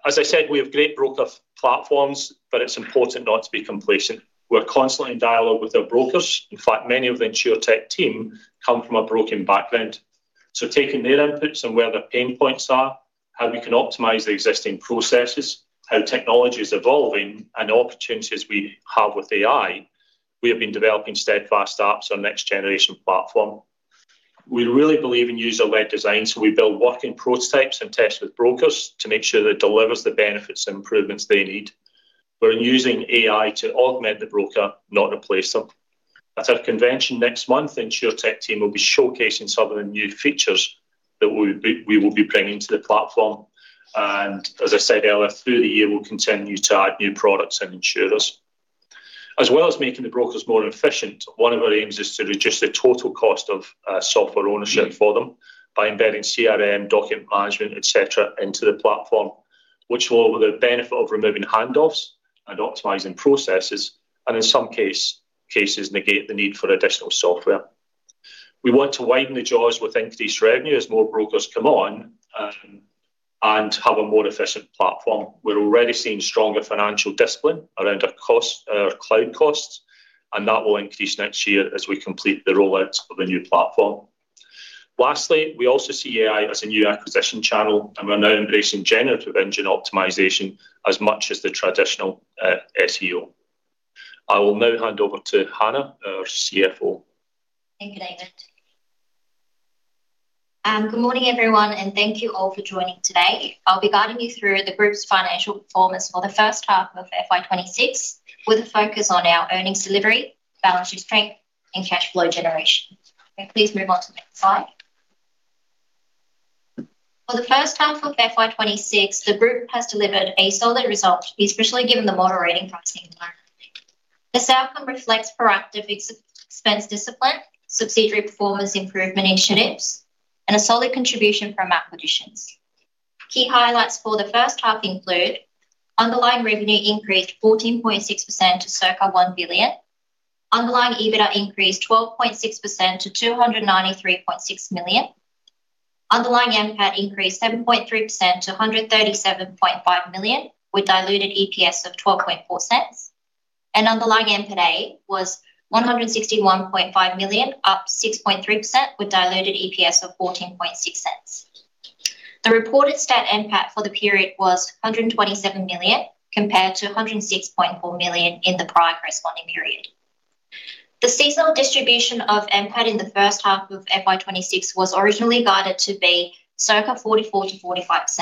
Speaker 7: As I said, we have great broker platforms, it's important not to be complacent. We're constantly in dialogue with our brokers. In fact, many of the insurTech team come from a broking background. Taking their inputs and where their pain points are, how we can optimize the existing processes, how technology is evolving, and opportunities we have with AI, we have been developing Steadfast Apps, our next generation platform. We really believe in user-led design, so we build working prototypes and test with brokers to make sure it delivers the benefits and improvements they need. We're using AI to augment the broker, not replace them. At our convention next month, insurTech team will be showcasing some of the new features that we will be bringing to the platform. As I said earlier, through the year, we'll continue to add new products and insurers. As well as making the brokers more efficient, one of our aims is to reduce the total cost of software ownership for them by embedding CRM, document management, et cetera, into the platform, which will, with the benefit of removing handoffs and optimizing processes, and in some cases negate the need for additional software. We want to widen the jaws with increased revenue as more brokers come on and have a more efficient platform. We're already seeing stronger financial discipline around our cost, our cloud costs, and that will increase next year as we complete the roll-out of the new platform. Lastly, we also see AI as a new acquisition channel, and we're now embracing generative engine optimization as much as the traditional SEO. I will now hand over to Hannah, our CFO.
Speaker 8: Thank you, David. Good morning, everyone, and thank you all for joining today. I'll be guiding you through the group's financial performance for the first half of FY26, with a focus on our earnings delivery, balance sheet strength, and cash flow generation. Can you please move on to the next Slide? For the first half of FY26, the group has delivered a solid result, especially given the moderating pricing environment. This outcome reflects proactive expense discipline, subsidiary performance improvement initiatives, and a solid contribution from acquisitions. Key highlights for the first half include: underlying revenue increased 14.6% to circa 1 billion. Underlying EBITDA increased 12.6% to 293.6 million. Underlying NPAT increased 7.3% to 137.5 million, with diluted EPS of 0.124. Underlying NPAT was 161.5 million, up 6.3%, with diluted EPS of 0.146. The reported stat NPAT for the period was 127 million, compared to 106.4 million in the prior corresponding period. The seasonal distribution of NPAT in the first half of FY26 was originally guided to be circa 44%-45%.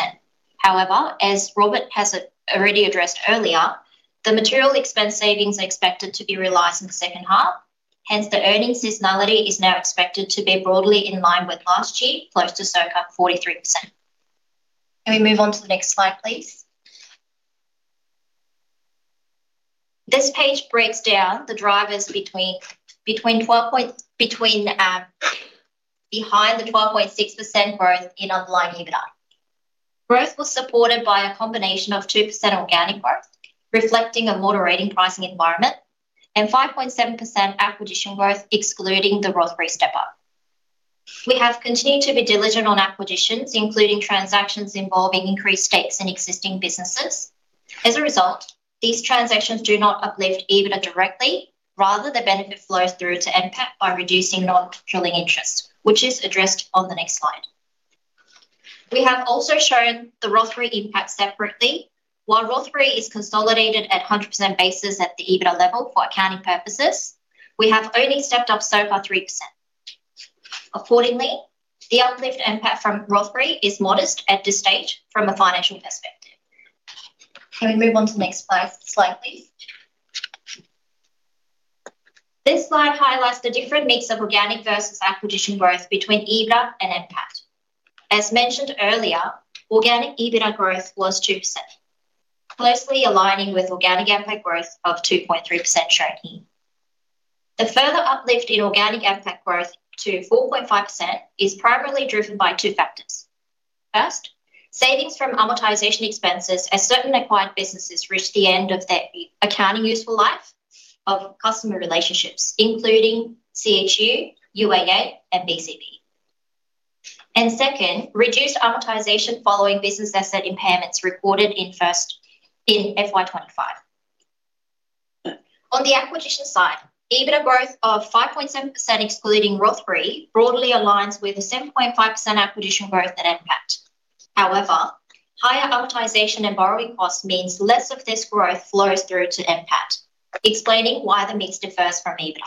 Speaker 8: However, as Robert has already addressed earlier, the material expense savings are expected to be realized in the second half. Hence, the earnings seasonality is now expected to be broadly in line with last year, close to circa 43%. Can we move on to the next Slide, please? This page breaks down the drivers behind the 12.6% growth in underlying EBITDA. Growth was supported by a combination of 2% organic growth, reflecting a moderating pricing environment, and 5.7% acquisition growth, excluding the Rothbury step-up. We have continued to be diligent on acquisitions, including transactions involving increased stakes in existing businesses. As a result, these transactions do not uplift EBITDA directly. Rather, the benefit flows through to NPAT by reducing non-controlling interest, which is addressed on the next Slide. We have also shown the Rothbury impact separately. While Rothbury is consolidated at 100% basis at the EBITDA level for accounting purposes, we have only stepped up so far 3%. Accordingly, the uplift NPAT from Rothbury is modest at this stage from a financial perspective. Can we move on to the next Slide, please? This Slide highlights the different mix of organic versus acquisition growth between EBITDA and NPAT. As mentioned earlier, organic EBITDA growth was 2%, closely aligning with organic NPAT growth of 2.3% shown here. The further uplift in organic NPAT growth to 4.5% is primarily driven by 2 factors. First, savings from amortization expenses as certain acquired businesses reach the end of their accounting useful life of customer relationships, including CHU, UAA, and BCB. Second, reduced amortization following business asset impairments recorded in FY25. On the acquisition side, EBITDA growth of 5.7%, excluding Rothbury, broadly aligns with a 7.5% acquisition growth at NPAT. However, higher amortization and borrowing costs means less of this growth flows through to NPAT, explaining why the mix differs from EBITDA.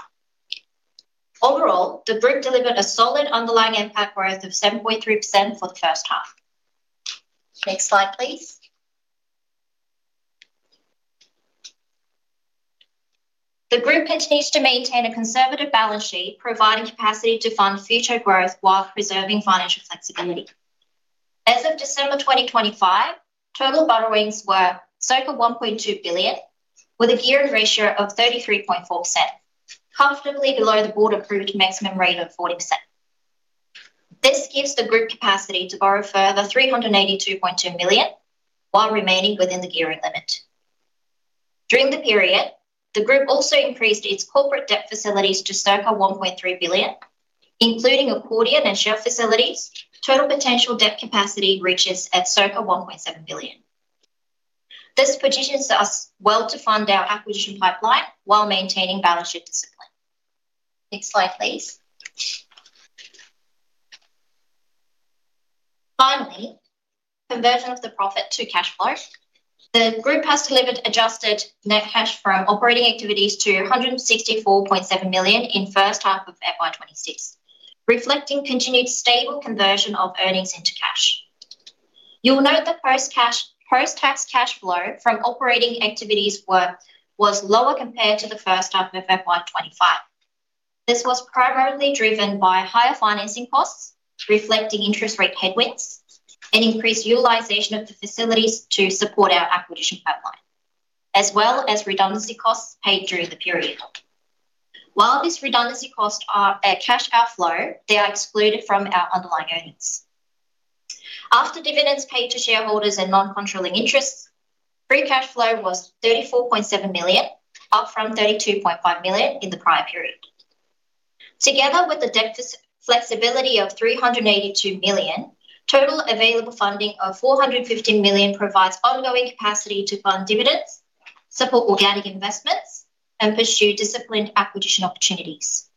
Speaker 8: Overall, the group delivered a solid underlying NPAT growth of 7.3% for the first half. Next Slide, please. The group continues to maintain a conservative balance sheet, providing capacity to fund future growth while preserving financial flexibility. As of December 2025, total borrowings were circa 1.2 billion, with a gearing ratio of 33.4%, comfortably below the board-approved maximum rate of 40%. This gives the group capacity to borrow a further 382.2 million while remaining within the gearing limit. During the period, the group also increased its corporate debt facilities to circa 1.3 billion, including accordion and share facilities. Total potential debt capacity reaches at circa 1.7 billion. This positions us well to fund our acquisition pipeline while maintaining balance sheet discipline. Next Slide, please. Finally, conversion of the profit to cash flow. The Group has delivered adjusted net cash from operating activities to 164.7 million in first half of FY26, reflecting continued stable conversion of earnings into cash. You'll note the post-tax cash flow from operating activities was lower compared to the first half of FY25. This was primarily driven by higher financing costs, reflecting interest rate headwinds and increased utilization of the facilities to support our acquisition pipeline, as well as redundancy costs paid during the period. While this redundancy costs are a cash outflow, they are excluded from our underlying earnings. After dividends paid to shareholders and non-controlling interests, free cash flow was 34.7 million, up from 32.5 million in the prior period. Together with the debt flexibility of 382 million, total available funding of 450 million provides ongoing capacity to fund dividends, support organic investments, and pursue disciplined acquisition opportunities.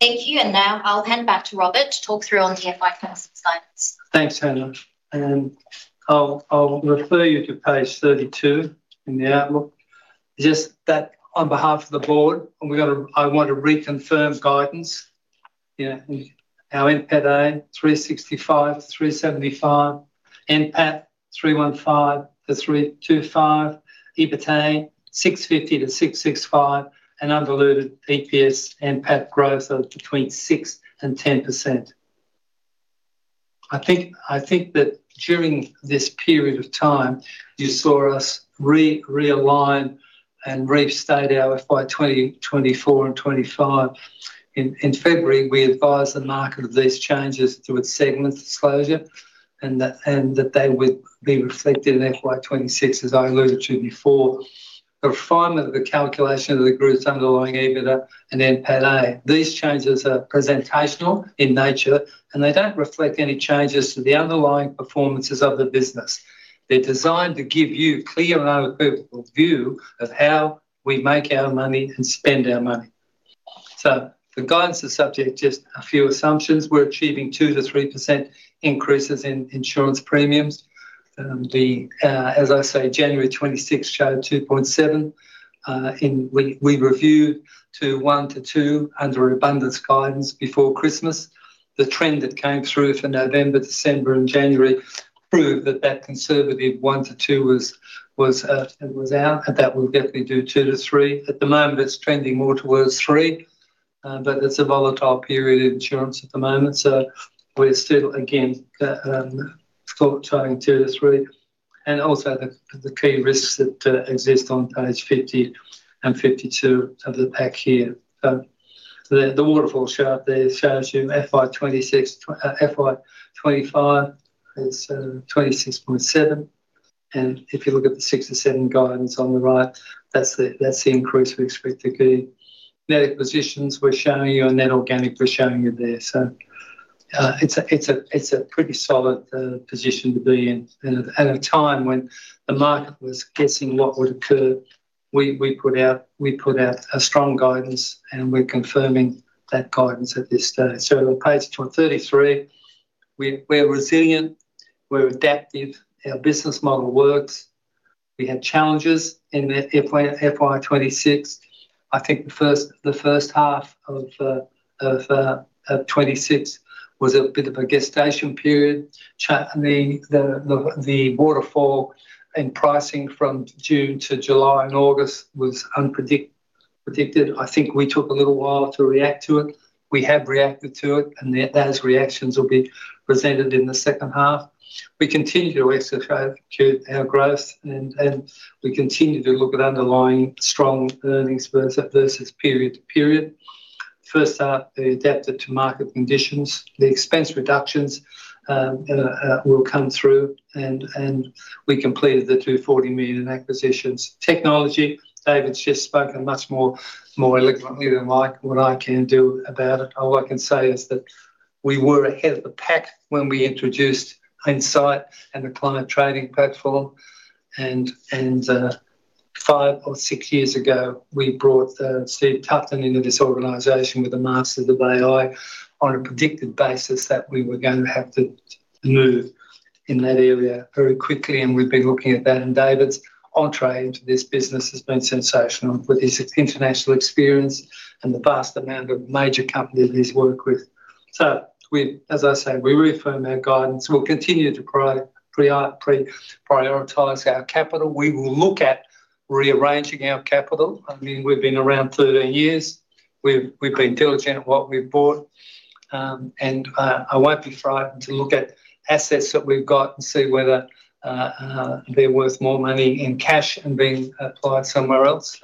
Speaker 8: Thank you, and now I'll hand back to Robert to talk through on the FY first Slides.
Speaker 2: Thanks, Hannah, I'll refer you to Page 32 in the outlook. Just that on behalf of the board, I want to reconfirm guidance. Our NPATA 365 million-375 million, NPAT 315 million-325 million, EBITA 650 million-665 million, and undiluted EPS NPAT growth of between 6% and 10%. I think that during this period of time, you saw us realign and restate our FY24 and FY25. In February, we advised the market of these changes through its segment disclosure, and that they would be reflected in FY26, as I alluded to before. The refinement of the calculation of the group's underlying EBITDA and NPATA. These changes are presentational in nature, and they don't reflect any changes to the underlying performances of the business. They're designed to give you clear and unequivocal view of how we make our money and spend our money. The guidance is subject to just a few assumptions. We're achieving 2%-3% increases in insurance premiums. As I say, January 26th showed 2.7. We reviewed to 1%-2% under Andrew Buncombe's guidance before Christmas. The trend that came through for November, December and January proved that that conservative 1%-2% was out, and that will definitely do 2%-3%. At the moment, it's trending more towards 3%, but it's a volatile period in insurance at the moment, we're still again showing 2%-3%. The key risks that exist on Page 50 and 52 of the pack here. The waterfall chart there shows you FY26, FY25 is 26.7, and if you look at the 6 and 7 guidance on the right, that's the increase we expect to be. Net acquisitions, we're showing you, and net organic, we're showing you there. It's a pretty solid position to be in. At a time when the market was guessing what would occur, we put out a strong guidance, and we're confirming that guidance at this stage. On Page 2033, we're resilient, we're adaptive, our business model works. We had challenges in FY26. I think the first half of 26 was a bit of a gestation period. I mean, the waterfall and pricing from June to July and August was predicted. I think we took a little while to react to it. We have reacted to it, and those reactions will be presented in the second half. We continue to accelerate our growth, and we continue to look at underlying strong earnings versus period to period. They adapted to market conditions. The expense reductions will come through and we completed the 240 million acquisitions. Technology, David's just spoken much more, more eloquently than mine. What I can do about it, all I can say is that we were ahead of the pack when we introduced INSIGHT and the Client Trading Platform, and 5 or 6 years ago, we brought Stephen Tuffley into this organization with a master's of AI on a predicted basis that we were going to have to move in that area very quickly, and we've been looking at that. David's entree into this business has been sensational, with his international experience and the vast amount of major companies he's worked with. We, as I say, we reaffirm our guidance. We'll continue to prioritize our capital. We will look at rearranging our capital. I mean, we've been around 13 years. We've been diligent at what we've bought, and I won't be frightened to look at assets that we've got and see whether they're worth more money in cash and being applied somewhere else.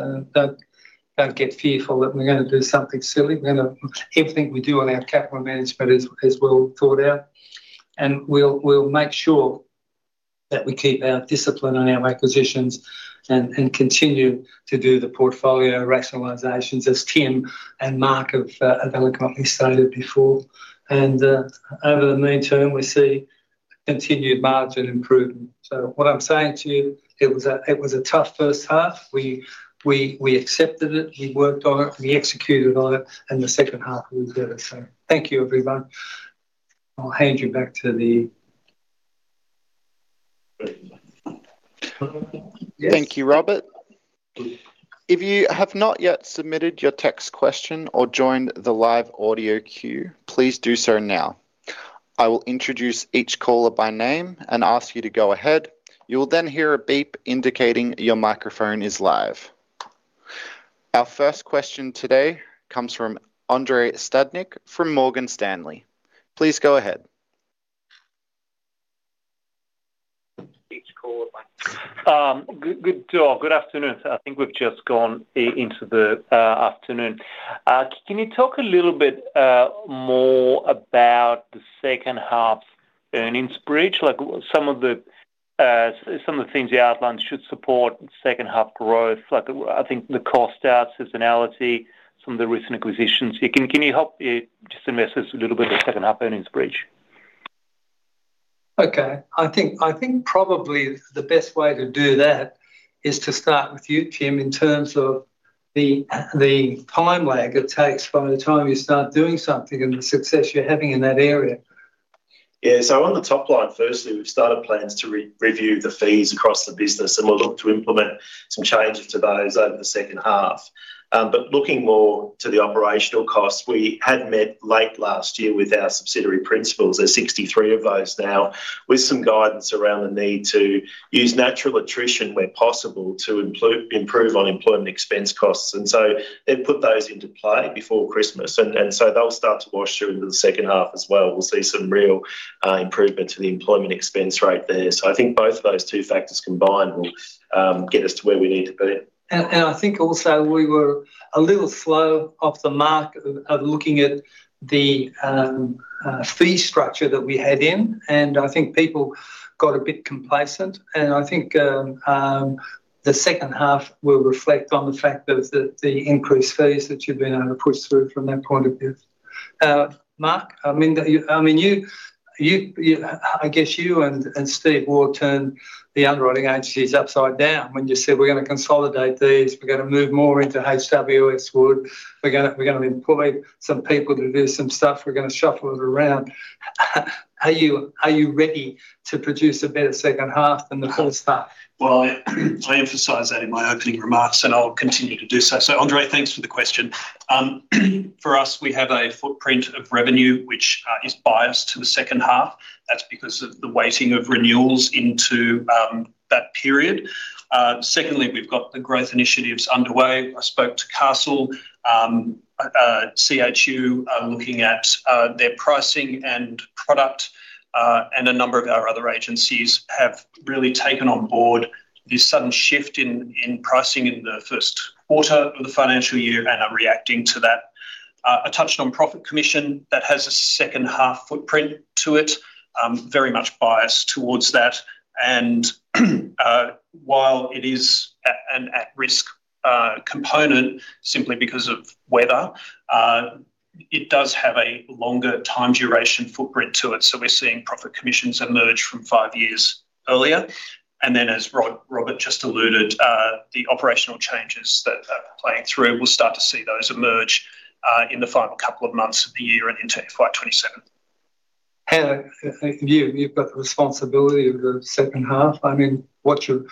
Speaker 2: Don't get fearful that we're going to do something silly. Everything we do on our capital management is well thought out, and we'll make sure that we keep our discipline on our acquisitions and continue to do the portfolio rationalizations, as Tim and Mark have eloquently stated before. Over the midterm, we see continued margin improvement. What I'm saying to you, it was a tough first half. We accepted it, we worked on it, we executed on it, and the second half will be better. Thank you, everyone. I'll hand you back to.
Speaker 1: Thank you, Robert. If you have not yet submitted your text question or joined the live audio queue, please do so now. I will introduce each caller by name and ask you to go ahead. You will then hear a beep indicating your microphone is live. Our first question today comes from Andrei Stadnik, from Morgan Stanley. Please go ahead.
Speaker 9: Good afternoon. I think we've just gone into the afternoon. Can you talk a little bit more about the second half earnings bridge? Like, some of the things you outlined should support second half growth. Like, I think the cost out seasonality from the recent acquisitions. Can you help just investors a little bit of second half earnings bridge?
Speaker 2: Okay. I think probably the best way to do that is to start with you, Tim, in terms of the time lag it takes from the time you start doing something and the success you're having in that area.
Speaker 3: On the top line, firstly, we've started plans to re-review the fees across the business. We'll look to implement some changes to those over the second half. Looking more to the operational costs, we had met late last year with our subsidiary principals. There's 63 of those now, with some guidance around the need to use natural attrition where possible to improve on employment expense costs. They've put those into play before Christmas. They'll start to wash through into the second half as well. We'll see some real improvement to the employment expense rate there. I think both of those 2 factors combined will get us to where we need to be.
Speaker 2: I think also we were a little slow off the mark of looking at the fee structure that we had in, and I think people got a bit complacent, and I think the second half will reflect on the fact of the increased fees that you've been able to push through from that point of view. Mark, I mean, you, I guess you and Steve all turned the underwriting agencies upside down when you said, "We're going to consolidate these. We're going to move more into HW Wood. We're going to employ some people to do some stuff. We're going to shuffle it around." Are you ready to produce a better second half than the first half?
Speaker 4: I emphasised that in my opening remarks, and I'll continue to do so. Andrei, thanks for the question. For us, we have a footprint of revenue, which is biased to the second half. That's because of the weighting of renewals into that period. Secondly, we've got the growth initiatives underway. I spoke to Castle, CHU are looking at their pricing and product.... and a number of our other agencies have really taken on board this sudden shift in pricing in the first quarter of the financial year and are reacting to that. I touched on profit commission. That has a second half footprint to it, very much biased towards that. While it is an at-risk component, simply because of weather, it does have a longer time duration footprint to it. So we're seeing profit commissions emerge from five years earlier. As Robert just alluded, the operational changes that are playing through, we'll start to see those emerge in the final couple of months of the year and into FY27.
Speaker 2: Hannah, you've got the responsibility of the second half. I mean, what's your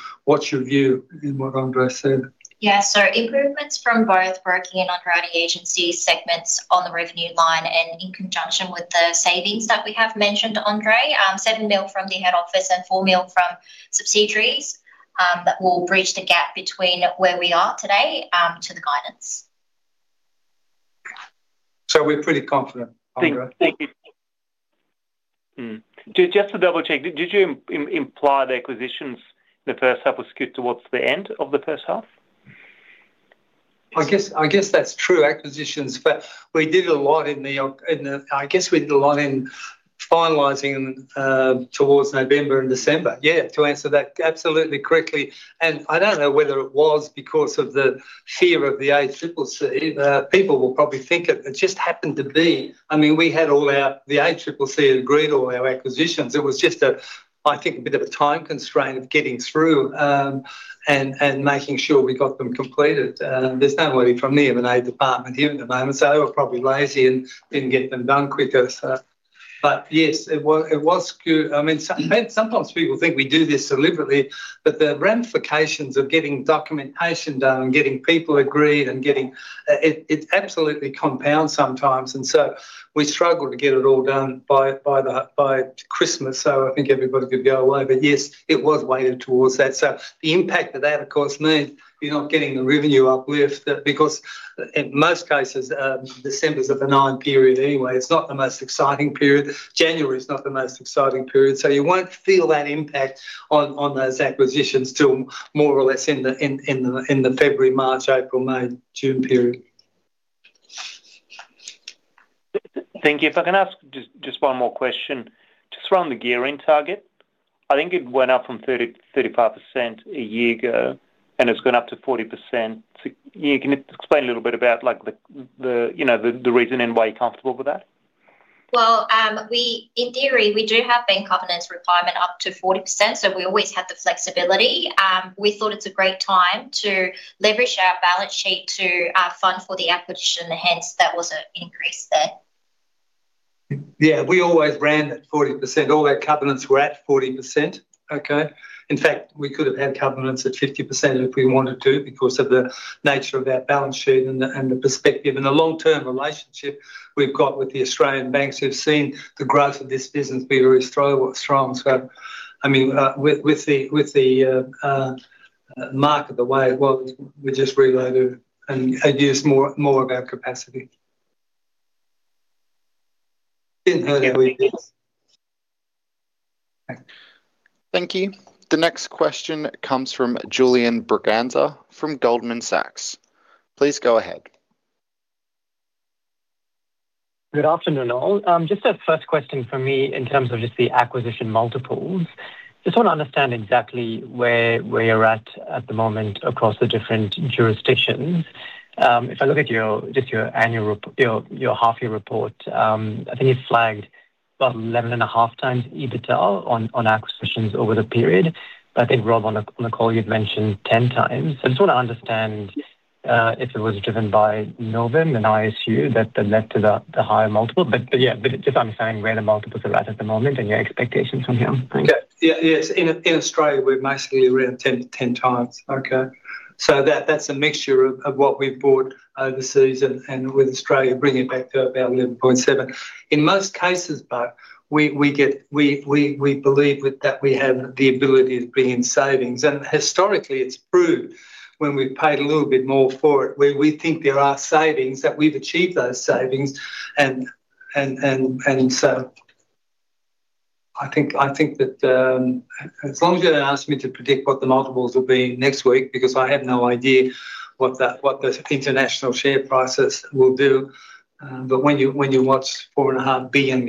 Speaker 2: view in what Andrei said?
Speaker 8: Improvements from both broking and underwriting agency segments on the revenue line and in conjunction with the savings that we have mentioned, Andrei, 7 million from the head office and 4 million from subsidiaries, that will bridge the gap between where we are today, to the guidance.
Speaker 2: We're pretty confident, Andrei.
Speaker 9: Thank you. Just to double-check, did you imply the acquisitions in the first half were skewed towards the end of the first half?
Speaker 2: I guess that's true, acquisitions, but we did a lot in finalizing towards November and December. Yeah, to answer that absolutely correctly, and I don't know whether it was because of the fear of the ACCC. People will probably think it just happened to be. I mean, the ACCC had agreed all our acquisitions. It was just a, I think, a bit of a time constraint of getting through and making sure we got them completed. There's nobody from the M&A department here at the moment, so they were probably lazy and didn't get them done quicker, so. Yes, it was skewed. Sometimes people think we do this deliberately, the ramifications of getting documentation done and getting people agreed and getting it absolutely compounds sometimes. We struggled to get it all done by Christmas. I think everybody could go away. Yes, it was weighted towards that. The impact of that, of course, means you're not getting the revenue uplift, because in most cases, December's a benign period anyway. It's not the most exciting period. January is not the most exciting period. You won't feel that impact on those acquisitions till more or less in the February, March, April, May, June period.
Speaker 9: Thank you. If I can ask just one more question. Just around the gearing target, I think it went up from 30%-35% a year ago, and it's gone up to 40%. Can you explain a little bit about, like, you know, the reason and why you're comfortable with that?
Speaker 8: In theory, we do have bank covenants requirement up to 40%, so we always have the flexibility. We thought it's a great time to leverage our balance sheet to fund for the acquisition. That was an increase there.
Speaker 2: Yeah, we always ran at 40%. All our covenants were at 40%, okay? In fact, we could have had covenants at 50% if we wanted to because of the nature of our balance sheet and the perspective and the long-term relationship we've got with the Australian banks, who've seen the growth of this business very strong. I mean, with the market the way it was, we just relocated and used more of our capacity. Didn't hurt anybody.
Speaker 1: Thank you. The next question comes from Julian Braganza from Goldman Sachs. Please go ahead.
Speaker 10: Good afternoon, all. Just a first question from me in terms of just the acquisition multiples. Just want to understand exactly where you're at at the moment across the different jurisdictions. If I look at your half-year report, I think you flagged about 11.5x EBITDA on acquisitions over the period, but I think, Rob, on the call, you'd mentioned 10x. I just want to understand if it was driven by Novum and ISU that then led to the higher multiple. Yeah, just understanding where the multiples are at at the moment and your expectations from here. Thanks.
Speaker 2: Yes, in Australia, we're mostly around 10x. Okay. That's a mixture of what we've bought overseas and with Australia, bringing it back to about 11.7. In most cases. We believe with that, we have the ability of bringing savings, and historically, it's proved when we've paid a little bit more for it, we think there are savings, that we've achieved those savings. I think, I think that, as long as you're going to ask me to predict what the multiples will be next week, because I have no idea what the international share prices will do, but when you watch $4.5 billion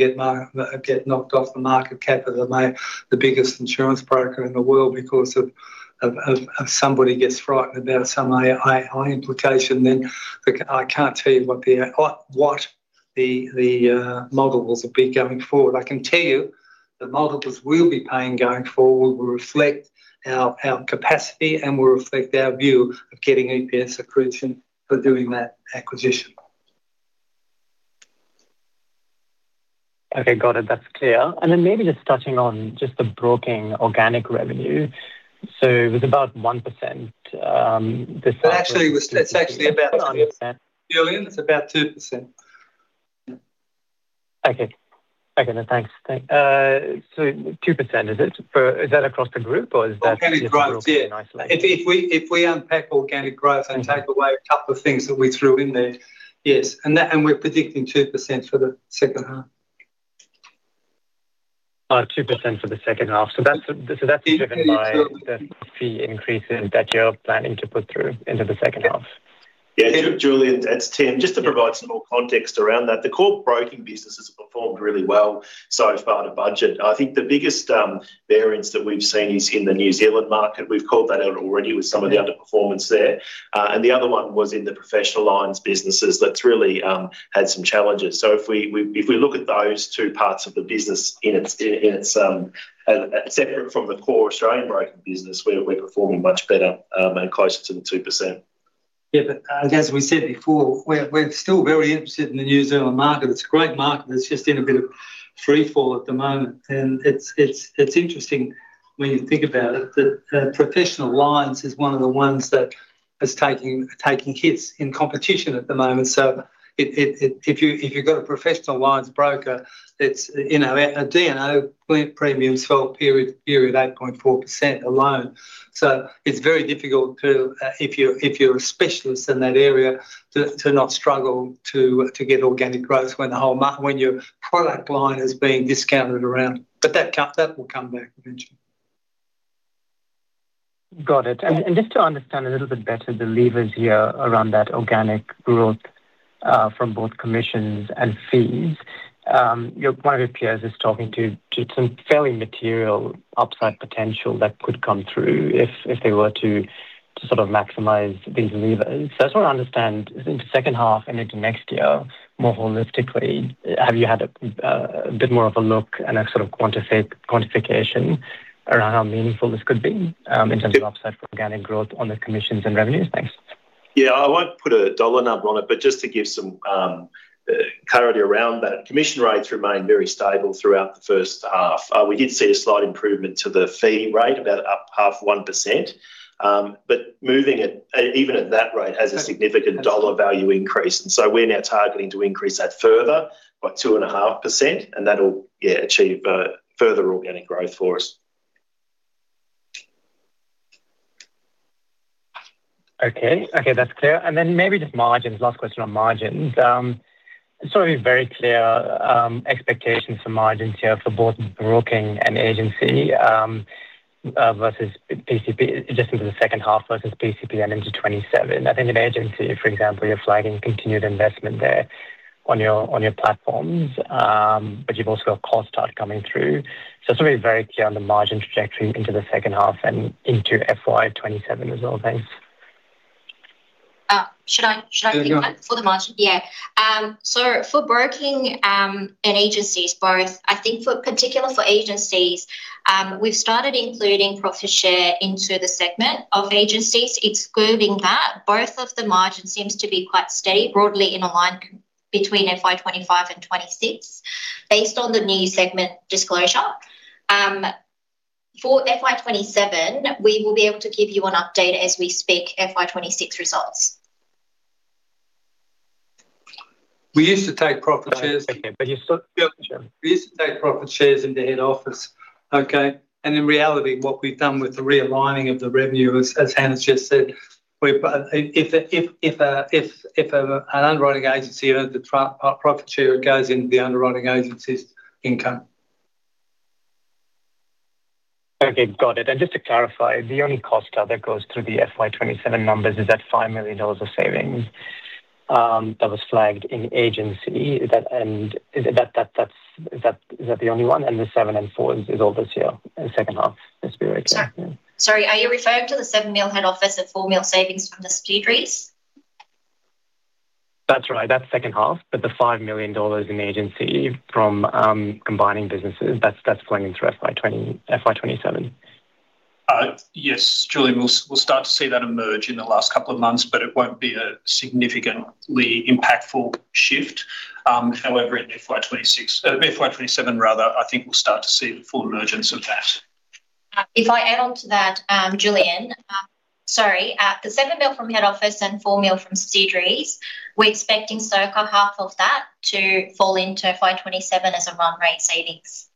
Speaker 2: get knocked off the market cap of the biggest insurance broker in the world because somebody gets frightened about some AI implication, then I can't tell you what the multiples will be going forward. I can tell you the multiples we'll be paying going forward will reflect our capacity and will reflect our view of getting EPS accretion for doing that acquisition.
Speaker 10: Okay, got it. That's clear. Maybe just touching on just the broking organic revenue. It was about 1%.
Speaker 2: Actually, that's actually about 2%. Julian, it's about 2%.
Speaker 10: Okay. Okay, now, thanks. 2%, is it? Is that across the group or is that-
Speaker 2: Organic growth, yeah.
Speaker 10: isolated?
Speaker 2: If we unpack organic growth and take away a couple of things that we threw in there, yes, and that, and we're predicting 2% for the second half.
Speaker 10: 2% for the second half. That's driven by the fee increases that you're planning to put through into the second half?
Speaker 3: Yeah, Julian, that's Tim. Just to provide some more context around that, the core broking business has performed really well so far to budget. I think the biggest variance that we've seen is in the New Zealand market. We've called that out already with some of the underperformance there. The other one was in the professional lines businesses, that's really had some challenges. If we look at those two parts of the business in its separate from the core Australian broking business, we're performing much better and closer to the 2%.
Speaker 2: As we said before, we're still very interested in the New Zealand market. It's a great market, it's just in a bit of freefall at the moment, it's interesting when you think about it, that professional lines is one of the ones that is taking hits in competition at the moment. If you've got a professional lines broker, it's, you know, D&O premiums for period, 8.4% alone. It's very difficult to if you're a specialist in that area, to not struggle to get organic growth when your product line is being discounted around. That will come back eventually.
Speaker 10: Got it. Just to understand a little bit better, the levers here around that organic growth, from both commissions and fees. Your one of your peers is talking to some fairly material upside potential that could come through if they were to sort of maximize these levers. I just want to understand, in the second half and into next year, more holistically, have you had a bit more of a look and a sort of quantification around how meaningful this could be, in terms of upside for organic growth on the commissions and revenues? Thanks.
Speaker 3: I won't put a dollar number on it, but just to give some clarity around that, commission rates remained very stable throughout the first half. We did see a slight improvement to the fee rate, about up 0.5%. Moving it, even at that rate, has a significant dollar value increase. We're now targeting to increase that further by 2.5%. That'll achieve further organic growth for us.
Speaker 10: Okay. Okay, that's clear. Maybe just margins. Last question on margins. It'll be very clear, expectations for margins here for both broking and agency, versus PCP, just into the second half versus PCP and into 2027. I think in agency, for example, you're flagging continued investment there on your platforms, but you've also got cost start coming through. Just to be very clear on the margin trajectory into the second half and into FY27 as well. Thanks.
Speaker 8: Should I
Speaker 2: Yeah, go on.
Speaker 8: For the margin? For broking, and agencies both, I think for, particular for agencies, we've started including profit share into the segment of agencies. Excluding that, both of the margin seems to be quite steady, broadly in alignment between FY25 and FY26, based on the new segment disclosure. For FY27, we will be able to give you an update as we speak FY26 results.
Speaker 2: We used to take profit shares-
Speaker 10: Okay, you still...
Speaker 2: We used to take profit shares into head office, okay? In reality, what we've done with the realigning of the revenue, as Hannah's just said, if an underwriting agency owned the pro-profit share, it goes into the underwriting agency's income.
Speaker 10: Okay, got it. Just to clarify, the only cost that goes through the FY27 numbers is that 5 million dollars of savings that was flagged in agency. Is that the only one? The 7 and 4 is all this year, in the second half, just to be very clear.
Speaker 6: Sorry, are you referring to the 7 million head office and 4 million savings from the speed reads?
Speaker 10: That's right. That's second half, the $5 million in the agency from combining businesses, that's flowing through FY20, FY27.
Speaker 3: Yes, Julian, we'll start to see that emerge in the last couple of months, but it won't be a significantly impactful shift. However, in FY26, FY27 rather, I think we'll start to see the full emergence of that.
Speaker 8: If I add on to that, Julian, sorry, the 7 million from head office and 4 million from speed reads, we're expecting circa half of that to fall into FY27 as a run rate savings.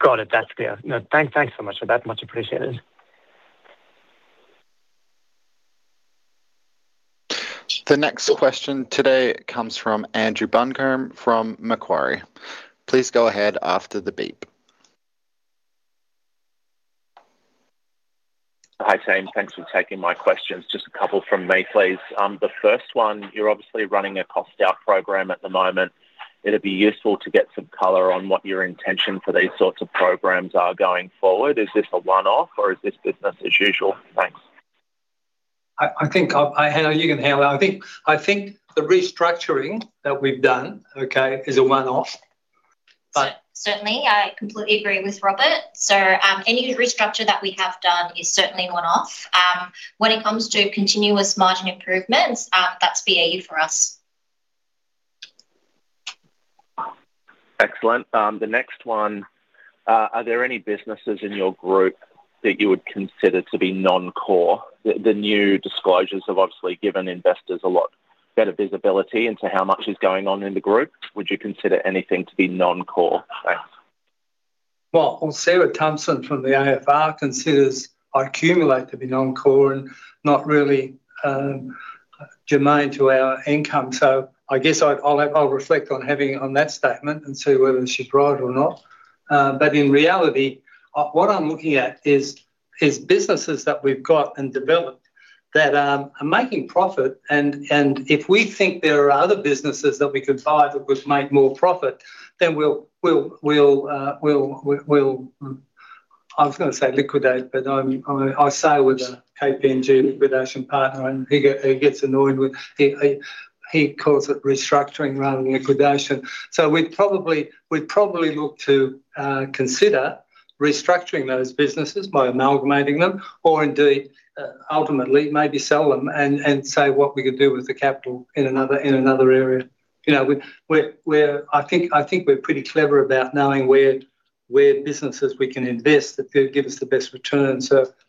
Speaker 10: Got it. That's clear. No, thanks so much for that. Much appreciated.
Speaker 1: The next question today comes from Andrew Buncombe, from Macquarie. Please go ahead after the beep.
Speaker 11: Hi, team. Thanks for taking my questions. Just a couple from me, please. The first one, you're obviously running a cost out program at the moment. It'd be useful to get some color on what your intention for these sorts of programs are going forward. Is this a one-off, or is this business as usual? Thanks.
Speaker 2: I think Hannah, you can handle that. I think the restructuring that we've done, okay, is a one-off, but-
Speaker 8: Certainly, I completely agree with Robert. Any restructure that we have done is certainly a one-off. When it comes to continuous margin improvements, that's BAU for us.
Speaker 11: Excellent. The next one: Are there any businesses in your group that you would consider to be non-core? The new disclosures have obviously given investors a lot better visibility into how much is going on in the group. Would you consider anything to be non-core? Thanks.
Speaker 2: Well, Sarah Thompson from the AFR considers IQumulate to be non-core and not really germane to our income. I guess I'd, I'll reflect on that statement and see whether she's right or not. In reality, what I'm looking at is businesses that we've got and developed that are making profit, and if we think there are other businesses that we could buy that would make more profit, then we'll I was going to say liquidate, but I'm, I stay with a KPMG liquidation partner, and he gets annoyed with... He calls it restructuring rather than liquidation. We'd probably look to consider restructuring those businesses by amalgamating them, or indeed, ultimately maybe sell them and see what we could do with the capital in another area. You know, I think we're pretty clever about knowing where businesses we can invest that could give us the best return.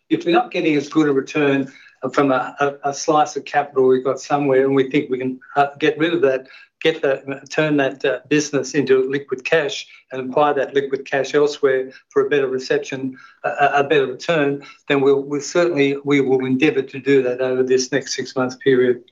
Speaker 2: If we're not getting as good a return from a slice of capital we've got somewhere, and we think we can get rid of that, turn that business into liquid cash and apply that liquid cash elsewhere for a better reception, a better return, then we will certainly endeavor to do that over this next six months period.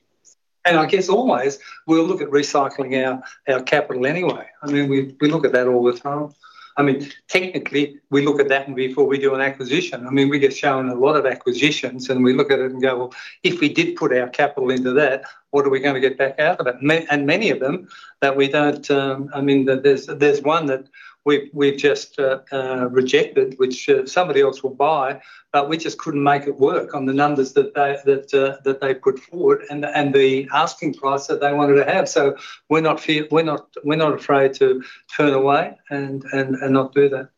Speaker 2: I guess always we'll look at recycling our capital anyway. I mean, we look at that all the time. I mean, technically, we look at that and before we do an acquisition, I mean, we get shown a lot of acquisitions, and we look at it and go, "Well, if we did put our capital into that, what are we going to get back out of it?" Many of them that we don't. I mean, there's one that we've just rejected, which somebody else will buy, but we just couldn't make it work on the numbers that they, that they put forward and the asking price that they wanted to have. We're not afraid to turn away and not do that.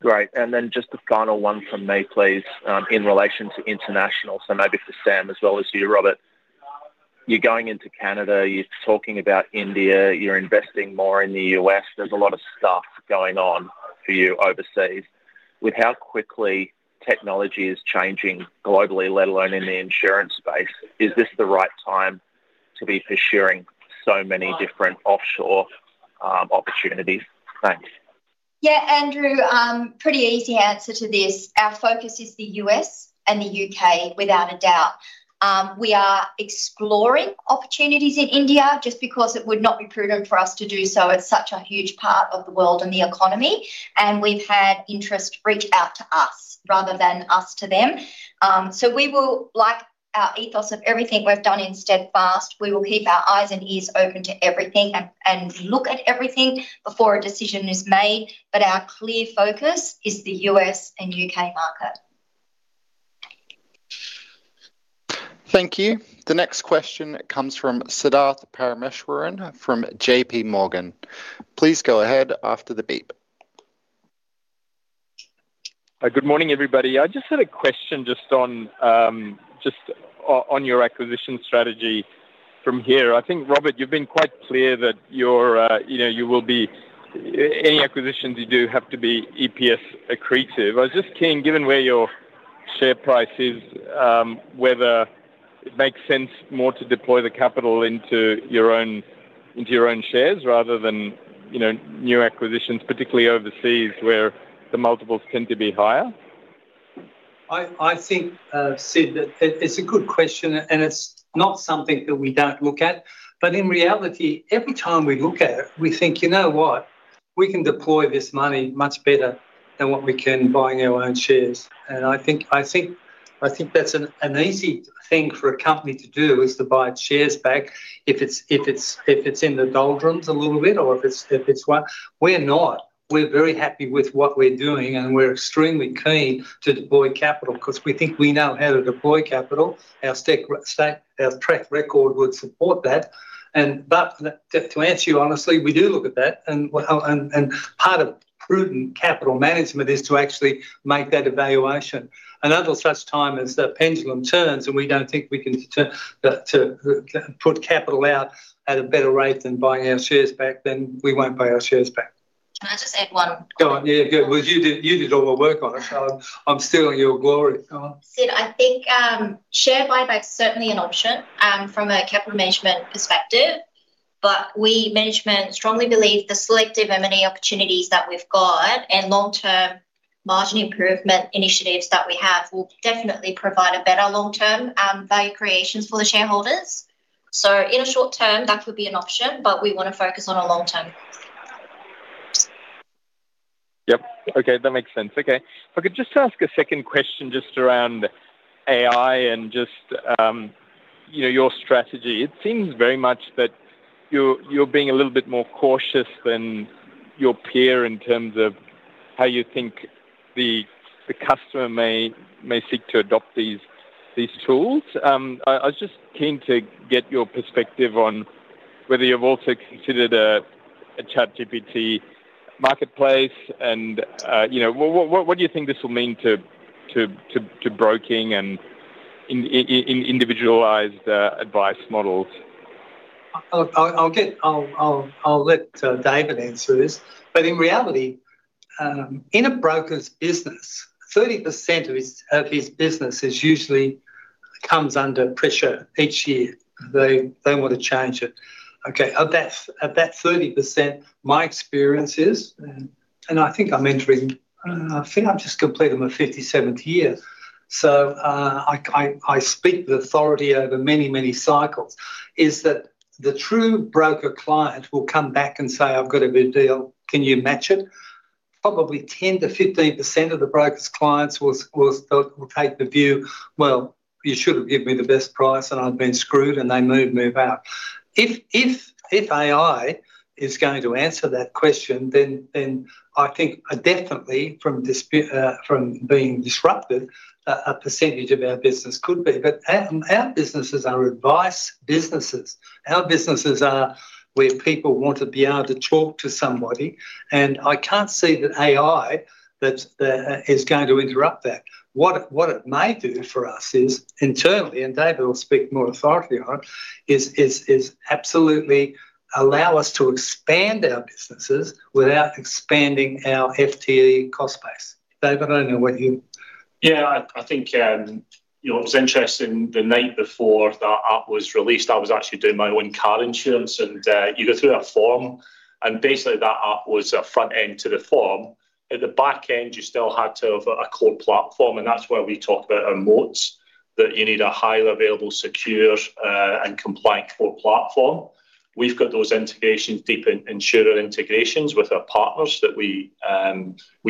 Speaker 11: Great. Just the final one from me, please, in relation to international, so maybe for Sam as well as you, Robert Kelly. You're going into Canada, you're talking about India, you're investing more in the US. There's a lot of stuff going on for you overseas. With how quickly technology is changing globally, let alone in the insurance space, is this the right time to be pursuing so many different offshore opportunities? Thanks.
Speaker 5: Yeah, Andrew, pretty easy answer to this. Our focus is the U.S. and the U.K., without a doubt. We are exploring opportunities in India just because it would not be prudent for us to do so. It's such a huge part of the world and the economy, and we've had interest reach out to us rather than us to them. We will, like our ethos of everything we've done in Steadfast, we will keep our eyes and ears open to everything and look at everything before a decision is made, but our clear focus is the U.S. and U.K. market.
Speaker 1: Thank you. The next question comes from Siddharth Parameswaran from JP Morgan. Please go ahead after the beep.
Speaker 6: Hi, good morning, everybody. I just had a question just on your acquisition strategy from here. I think, Robert, you've been quite clear that you're, you know, you will be. Any acquisitions you do have to be EPS accretive. I was just keen, given where your share price is, whether it makes sense more to deploy the capital into your own, into your own shares rather than, you know, new acquisitions, particularly overseas, where the multiples tend to be higher.
Speaker 2: I think, Sid, that it's a good question, and it's not something that we don't look at, but in reality, every time we look at it, we think, "You know what? We can deploy this money much better than what we can buying our own shares. I think that's an easy thing for a company to do, is to buy its shares back if it's in the doldrums a little bit or if it's what. We're not. We're very happy with what we're doing, and we're extremely keen to deploy capital 'cause we think we know how to deploy capital. Our track record would support that, but to answer you honestly, we do look at that, and part of prudent capital management is to actually make that evaluation. Until such time as the pendulum turns, and we don't think we can turn, to put capital out at a better rate than buying our shares back, then we won't buy our shares back.
Speaker 5: Can I just add one?
Speaker 2: Go on. Yeah, good. You did all the work on it, so I'm stealing your glory. Go on.
Speaker 5: Sid, I think, share buyback's certainly an option, from a capital management perspective, but we management strongly believe the selective M&A opportunities that we've got and long-term margin improvement initiatives that we have will definitely provide a better long-term, value creations for the shareholders. In a short term, that would be an option, but we want to focus on a long term.
Speaker 6: Yep. Okay, that makes sense. Okay. Okay, just to ask a second question, just around AI and just, you know, your strategy. It seems very much that you're being a little bit more cautious than your peer in terms of how you think the customer may seek to adopt these tools. I was just keen to get your perspective on whether you've also considered a ChatGPT marketplace, and, you know, what do you think this will mean to broking and individualized advice models?
Speaker 2: I'll let David answer this, but in reality in a broker's business, 30% of his business usually comes under pressure each year. They want to change it. Of that 30%, my experience is, and I think I've just completed my fifty-seventh year. I speak with authority over many, many cycles, is that the true broker client will come back and say: "I've got a good deal. Can you match it?" Probably 10%-15% of the broker's clients will take the view: "You should have given me the best price, and I've been screwed," and they move out. If AI is going to answer that question, then I think definitely from dispute, from being disrupted, a percentage of our business could be. Our businesses are advice businesses. Our businesses are where people want to be able to talk to somebody, and I can't see that AI that is going to interrupt that. What it may do for us is internally, and David will speak more authoritatively on, is absolutely allow us to expand our businesses without expanding our FTE cost base. David, I don't know.
Speaker 7: Yeah, I think, you know, it was interesting the night before that app was released, I was actually doing my own car insurance, and you go through that form, and basically, that app was a front end to the form. At the back end, you still had to have a core platform, and that's where we talk about our moats, that you need a highly available, secure, and compliant core platform. We've got those integrations, deep insurer integrations with our partners that we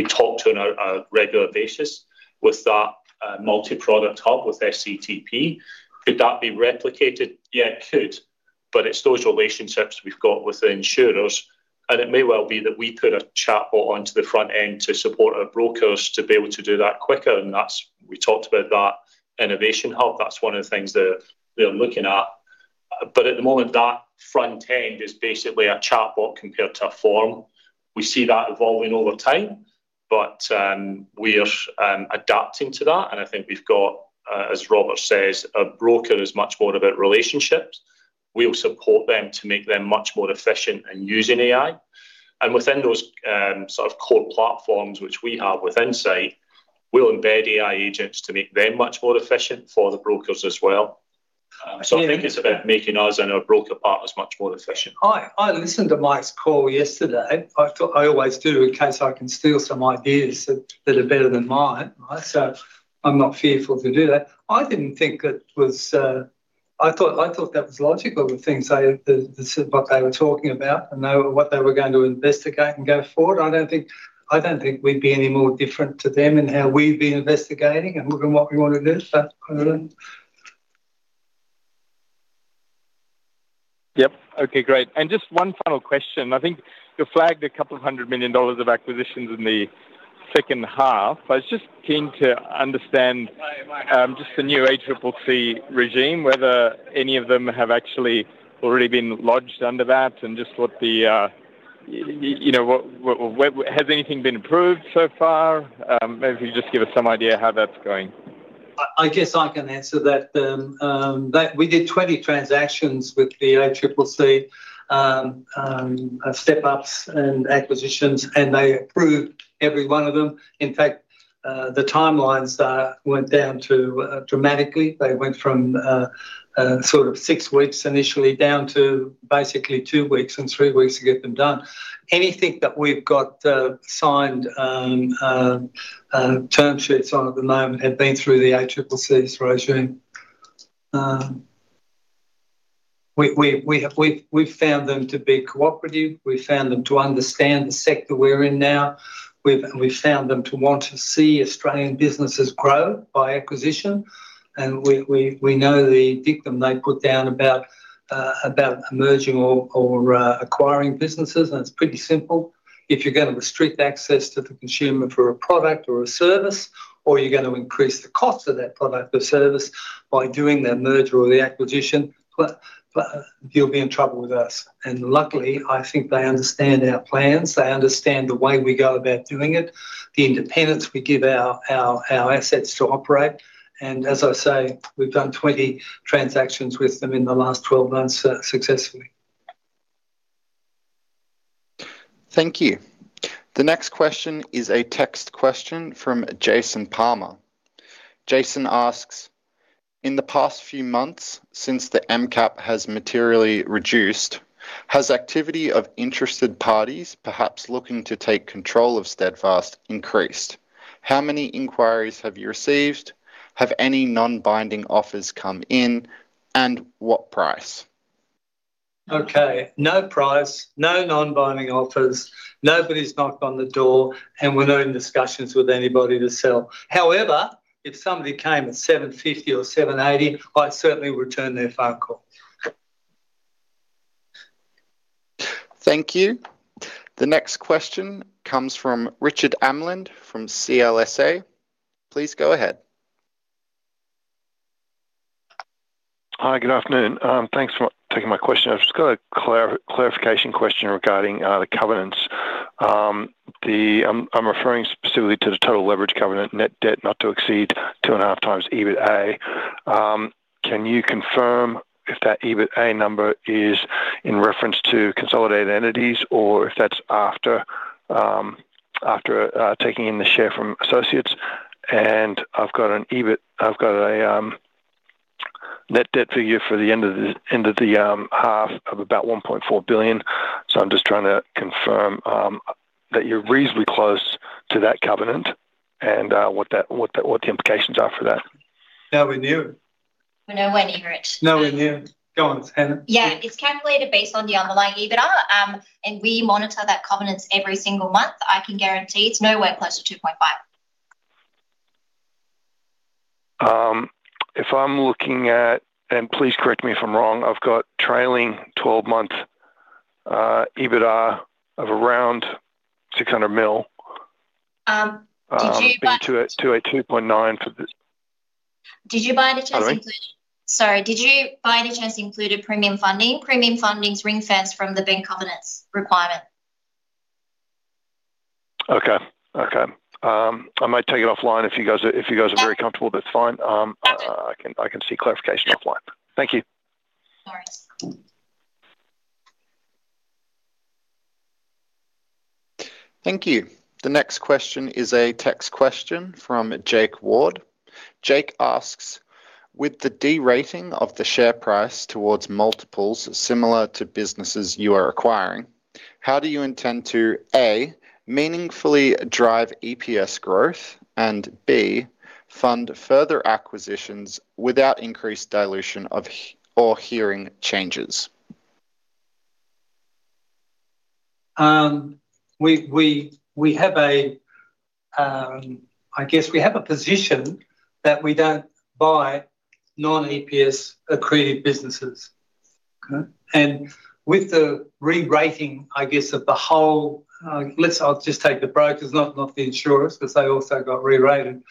Speaker 7: talk to on a regular basis with that multi-product hub with SCTP. Could that be replicated? Yeah, it could. It's those relationships we've got with the insurers, and it may well be that we put a chatbot onto the front end to support our brokers to be able to do that quicker. We talked about that innovation hub. That's one of the things that we're looking at. At the moment, that front end is basically a chatbot compared to a form. We see that evolving over time. We're adapting to that, and I think we've got, as Robert Kelly says, a broker is much more about relationships. We'll support them to make them much more efficient in using AI. Within those sort of core platforms which we have within INSIGHT, we'll embed AI agents to make them much more efficient for the brokers as well.
Speaker 2: Yeah-
Speaker 7: I think it's about making us and our broker partners much more efficient.
Speaker 2: I listened to Mike's call yesterday. I always do, in case I can steal some ideas that are better than mine, right? I'm not fearful to do that. I didn't think it was. I thought that was logical, the things they, the, what they were talking about, and they, what they were going to investigate and go forward. I don't think we'd be any more different to them in how we've been investigating and looking what we want to do, so I don't know.
Speaker 6: Yep. Okay, great. Just one final question. I think you flagged 200 million dollars of acquisitions in the second half. I was just keen to understand, just the new ACCC regime, whether any of them have actually already been lodged under that, and just what the, you know, what has anything been approved so far? Maybe if you just give us some idea how that's going.
Speaker 2: I guess I can answer that. That we did 20 transactions with the ACCC, step-ups and acquisitions, they approved every one of them. In fact, the timelines went down to dramatically. They went from sort of 6 weeks initially, down to basically 2 weeks and 3 weeks to get them done. Anything that we've got signed term sheets on at the moment had been through the ACCC's regime. We've found them to be cooperative. We've found them to understand the sector we're in now. We've found them to want to see Australian businesses grow by acquisition, we know the dictum they put down about merging or acquiring businesses, it's pretty simple. If you're going to restrict access to the consumer for a product or a service, or you're going to increase the cost of that product or service by doing the merger or the acquisition, well, you'll be in trouble with us. Luckily, I think they understand our plans. They understand the way we go about doing it, the independence we give our assets to operate. As I say, we've done 20 transactions with them in the last 12 months, successfully.
Speaker 1: Thank you. The next question is a text question from Jason Palmer. Jason asks: In the past few months, since the MCAP has materially reduced, has activity of interested parties, perhaps looking to take control of Steadfast, increased? How many inquiries have you received? Have any non-binding offers come in, and what price?
Speaker 2: Okay, no price, no non-binding offers. Nobody's knocked on the door, and we're not in discussions with anybody to sell. However, if somebody came at 750 or 780, I'd certainly return their phone call.
Speaker 1: Thank you. The next question comes from Richard Amour from CLSA. Please go ahead.
Speaker 12: Hi, good afternoon. Thanks for taking my question. I've just got a clarification question regarding the covenants. I'm referring specifically to the total leverage covenant, net debt not to exceed 2.5x EBITA. Can you confirm if that EBITA number is in reference to consolidated entities, or if that's after taking in the share from associates? I've got a net debt figure for the end of the half of about 1.4 billion. I'm just trying to confirm that you're reasonably close to that covenant and what the implications are for that.
Speaker 2: Nowhere near it.
Speaker 8: We're nowhere near it.
Speaker 2: Nowhere near. Go on, Hannah.
Speaker 8: It's calculated based on the underlying EBITDA, and we monitor that covenants every single month. I can guarantee it's nowhere close to 2.5.
Speaker 12: If I'm looking at, please correct me if I'm wrong, I've got trailing 12 months, EBITDA of around 600 million.
Speaker 8: Did you buy-.
Speaker 12: 2 at 2.9.
Speaker 8: Did you by any chance?
Speaker 12: Sorry?
Speaker 8: Sorry, did you, by any chance, include a premium funding? Premium funding's ring-fenced from the bank covenants requirement.
Speaker 12: Okay. I might take it offline if you guys are very comfortable, that's fine.
Speaker 8: Perfect.
Speaker 12: I can see clarification offline. Thank you.
Speaker 8: No worries.
Speaker 1: Thank you. The next question is a text question from Jake Ward. Jake asks: With the de-rating of the share price towards multiples similar to businesses you are acquiring, how do you intend to, A, meaningfully drive EPS growth, and B, fund further acquisitions without increased dilution or hearing changes?
Speaker 2: We have a, I guess we have a position that we don't buy non-EPS accretive businesses. Okay? With the re-rating, I guess, of the whole, I'll just take the brokers, not the insurers, because they also got re-rated,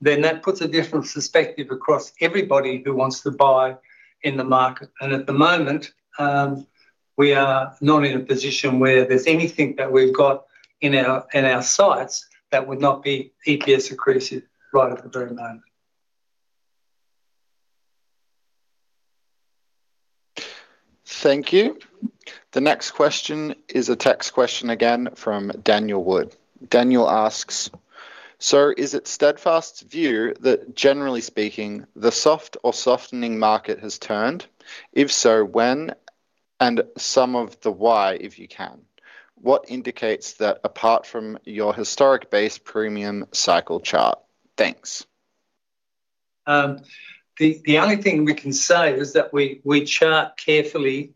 Speaker 2: then that puts a different perspective across everybody who wants to buy in the market. At the moment, we are not in a position where there's anything that we've got in our sights that would not be EPS accretive right at the very moment.
Speaker 1: Thank you. The next question is a text question again from Daniel Wood. Daniel asks: Is it Steadfast's view that, generally speaking, the soft or softening market has turned? If so, when, and some of the why, if you can. What indicates that apart from your historic base premium cycle chart? Thanks.
Speaker 2: The only thing we can say is that we chart carefully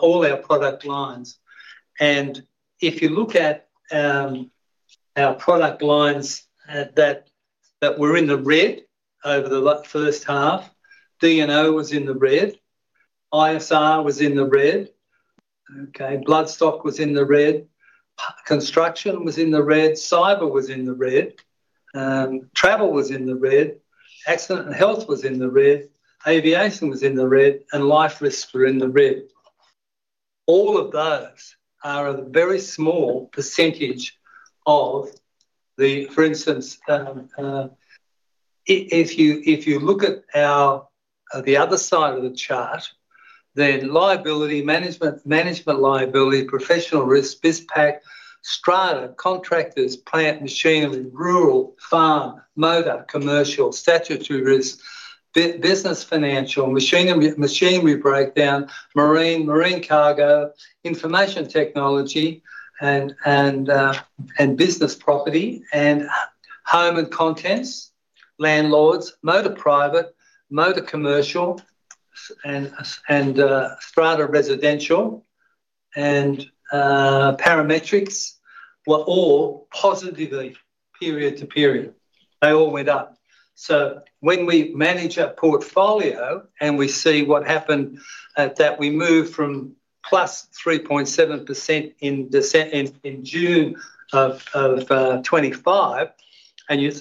Speaker 2: all our product lines. If you look at our product lines that were in the red over the first half, D&O was in the red, ISR was in the red, okay? Bloodstock was in the red, construction was in the red, cyber was in the red, travel was in the red, accident and health was in the red, aviation was in the red, and life risks were in the red. All of those are a very small percentage of the... For instance, if you look at our the other side of the chart, then liability management liability, professional risk, BizPac, strata, contractors, plant, machinery, rural, farm, motor, commercial, statutory risk, business, financial, machinery breakdown, marine cargo, information technology, and business property, and home and contents, landlords, motor private, motor commercial, and strata residential, and parametrics were all positively period to period. They all went up. When we manage our portfolio and we see what happened, that we moved from +3.7% in June of 2025, and you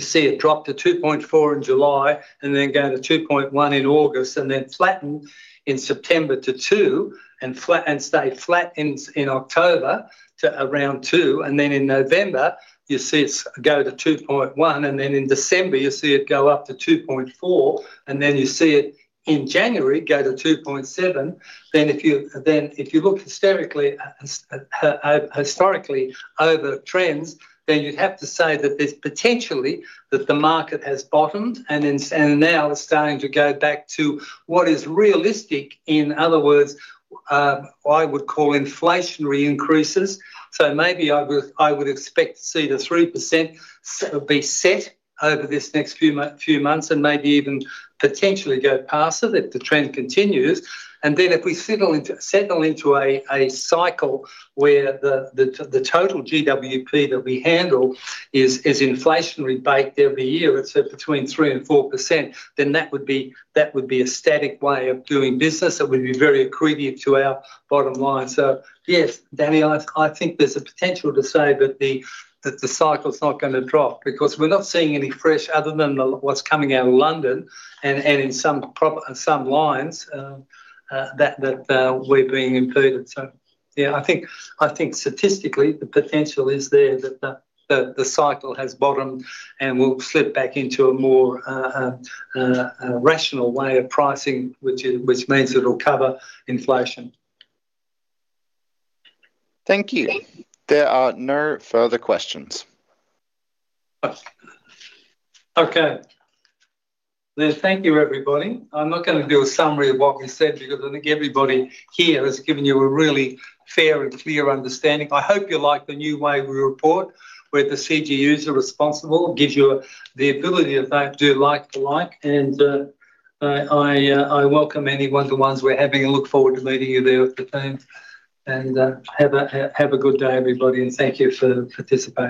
Speaker 2: see it drop to 2.4% in July, and then go to 2.1% in August, and then flatten in September to 2%, and stay flat in October to around 2%, and then in November, you see it go to 2.1%, and then in December, you see it go up to 2.4%, and then you see it in January, go to 2.7%. If you look historically over trends, you'd have to say that there's potentially that the market has bottomed and now is starting to go back to what is realistic, in other words, I would call inflationary increases. Maybe I would expect to see the 3% be set over this next few months and maybe even potentially go past it if the trend continues. If we settle into a cycle where the total GWP that we handle is inflationary baked every year, let's say between 3% and 4%, then that would be a static way of doing business. It would be very accretive to our bottom line. Yes, Danny, I think there's a potential to say that the cycle's not gonna drop because we're not seeing any fresh other than what's coming out of London and in some lines that we're being included. Yeah, I think statistically, the potential is there that the cycle has bottomed, and we'll slip back into a more a rational way of pricing, which means it'll cover inflation.
Speaker 1: Thank you. There are no further questions.
Speaker 2: Okay. Thank you, everybody. I'm not going to do a summary of what we said because I think everybody here has given you a really fair and clear understanding. I hope you like the new way we report, where the CGUs are responsible, gives you the ability, if they do like to like, I welcome any one to ones we're having and look forward to meeting you there with the team. Have a good day, everybody, and thank you for participating.